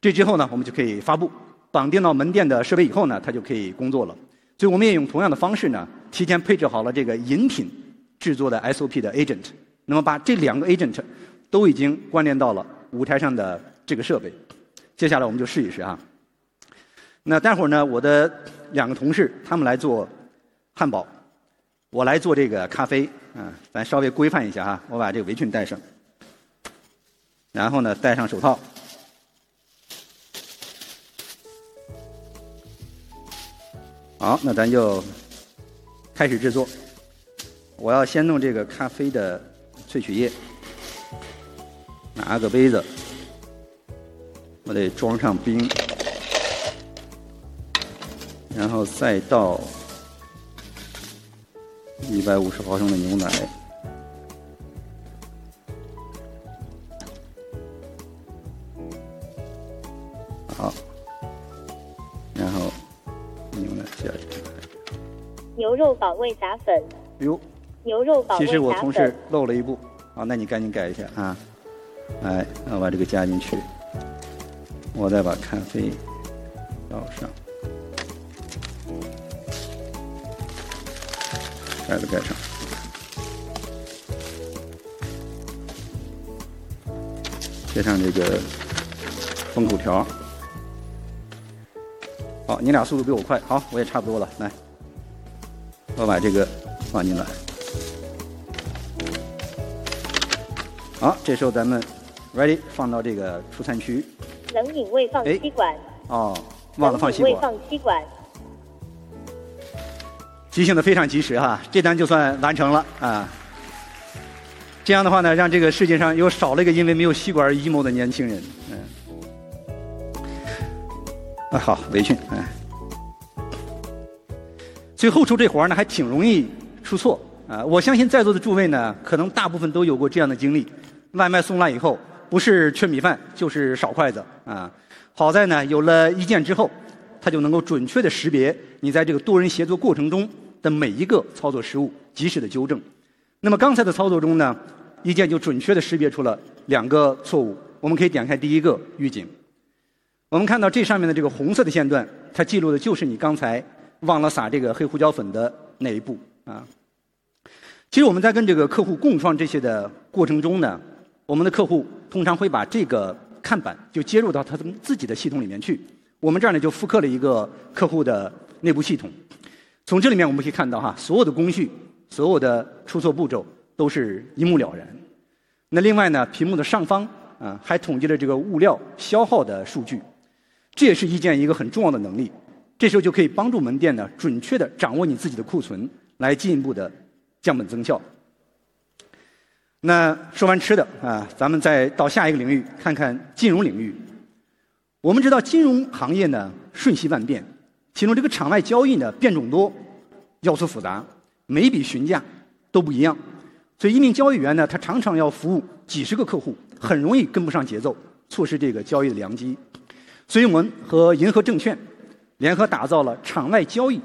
这之后 呢， 我们就可以发 布， 绑定到门店的设备以后 呢， 它就可以工作了。所以我们也用同样的方式 呢， 提前配置好了这个饮品制作的 SOP 的 agent。那么把这两个 agent 都已经关联到了舞台上的这个设备。接下来我们就试一试啊。那待会 呢， 我的两个同事他们来做汉 堡， 我来做这个咖啡 啊， 咱稍微规范一下啊。我把这个围裙带 上， 然后呢戴上手套。好， 那咱就开始制作。我要先弄这个咖啡的萃取 液， 拿个杯 子， 我得装上 冰， 然后再倒150毫升的牛奶。好， 然后牛奶加进 来， 牛肉保 味， 打粉 呦， 牛肉保味。其实我同事漏了一步 啊， 那你赶紧改一下啊。哎， 我把这个加进 去， 我再把咖啡倒 上， 盖子盖 上， 接上这个封口条。好， 你俩速度比我快。好， 我也差不多了。来， 我把这个放进来。好， 这时候咱们 ready 放到这个出餐 区， 冷饮未放吸管。哦， 忘了放吸 管， 未放吸管。急性的非常及时 啊， 这单就算完成了啊。这样的话 呢， 让这个世界上又少了一个因为没有吸管而 emo 的年轻人。嗯， 啊， 好， 围裙。嗯， 所以后厨这活 呢， 还挺容易出错啊。我相信在座的诸位 呢， 可能大部分都有过这样的经历：外卖送烂以后不是缺米饭就是少筷子啊。好在 呢， 有了一键之 后， 它就能够准确的识别你在这个多人协作过程中的每一个操作失 误， 及时的纠正。那么刚才的操作中 呢， 一键就准确的识别出了两个错误。我们可以点开第一个预 警， 我们看到这上面的这个红色的线 段， 它记录的就是你刚才忘了撒这个黑胡椒粉的哪一步啊。其实我们在跟这个客户共创这些的过程中呢，我们的客户通常会把这个看板就接入到他们自己的系统里面去。我们这儿 呢， 就复刻了一个客户的内部系统。从这里面我们可以看到 哈， 所有的工 序， 所有的出错步骤都是一目了然。那另外 呢， 屏幕的上方 啊， 还统计了这个物料消耗的数 据， 这也是意见一个很重要的能力。这时候就可以帮助门店 呢， 准确的掌握你自己的库 存， 来进一步的降本增效。那说完吃的 啊， 咱们再到下一个领 域， 看看金融领域。我们知道金融行业 呢， 瞬息万 变， 其中这个场外交易 呢， 变种 多， 要素复 杂， 每一笔询价都不一样。所以一名交易员 呢， 他常常要服务几十个客 户， 很容易跟不上节 奏， 错失这个交易的良机。所以我们和银河证券联合打造了场外交易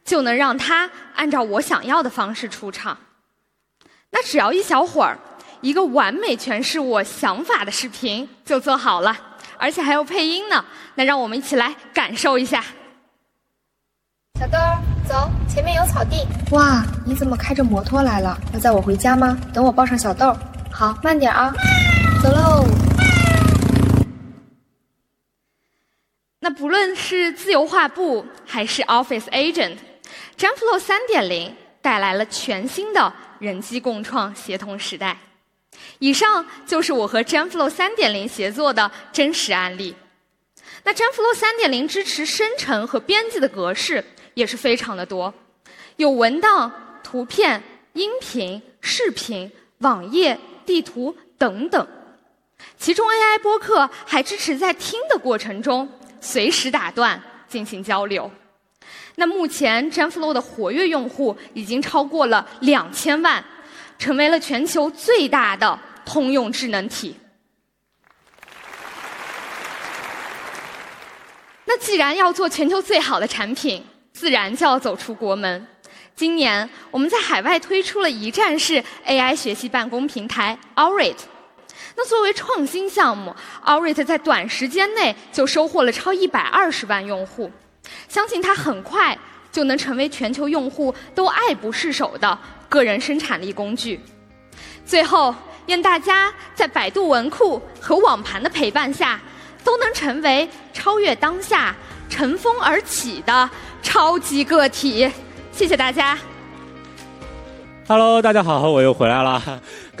agent， 这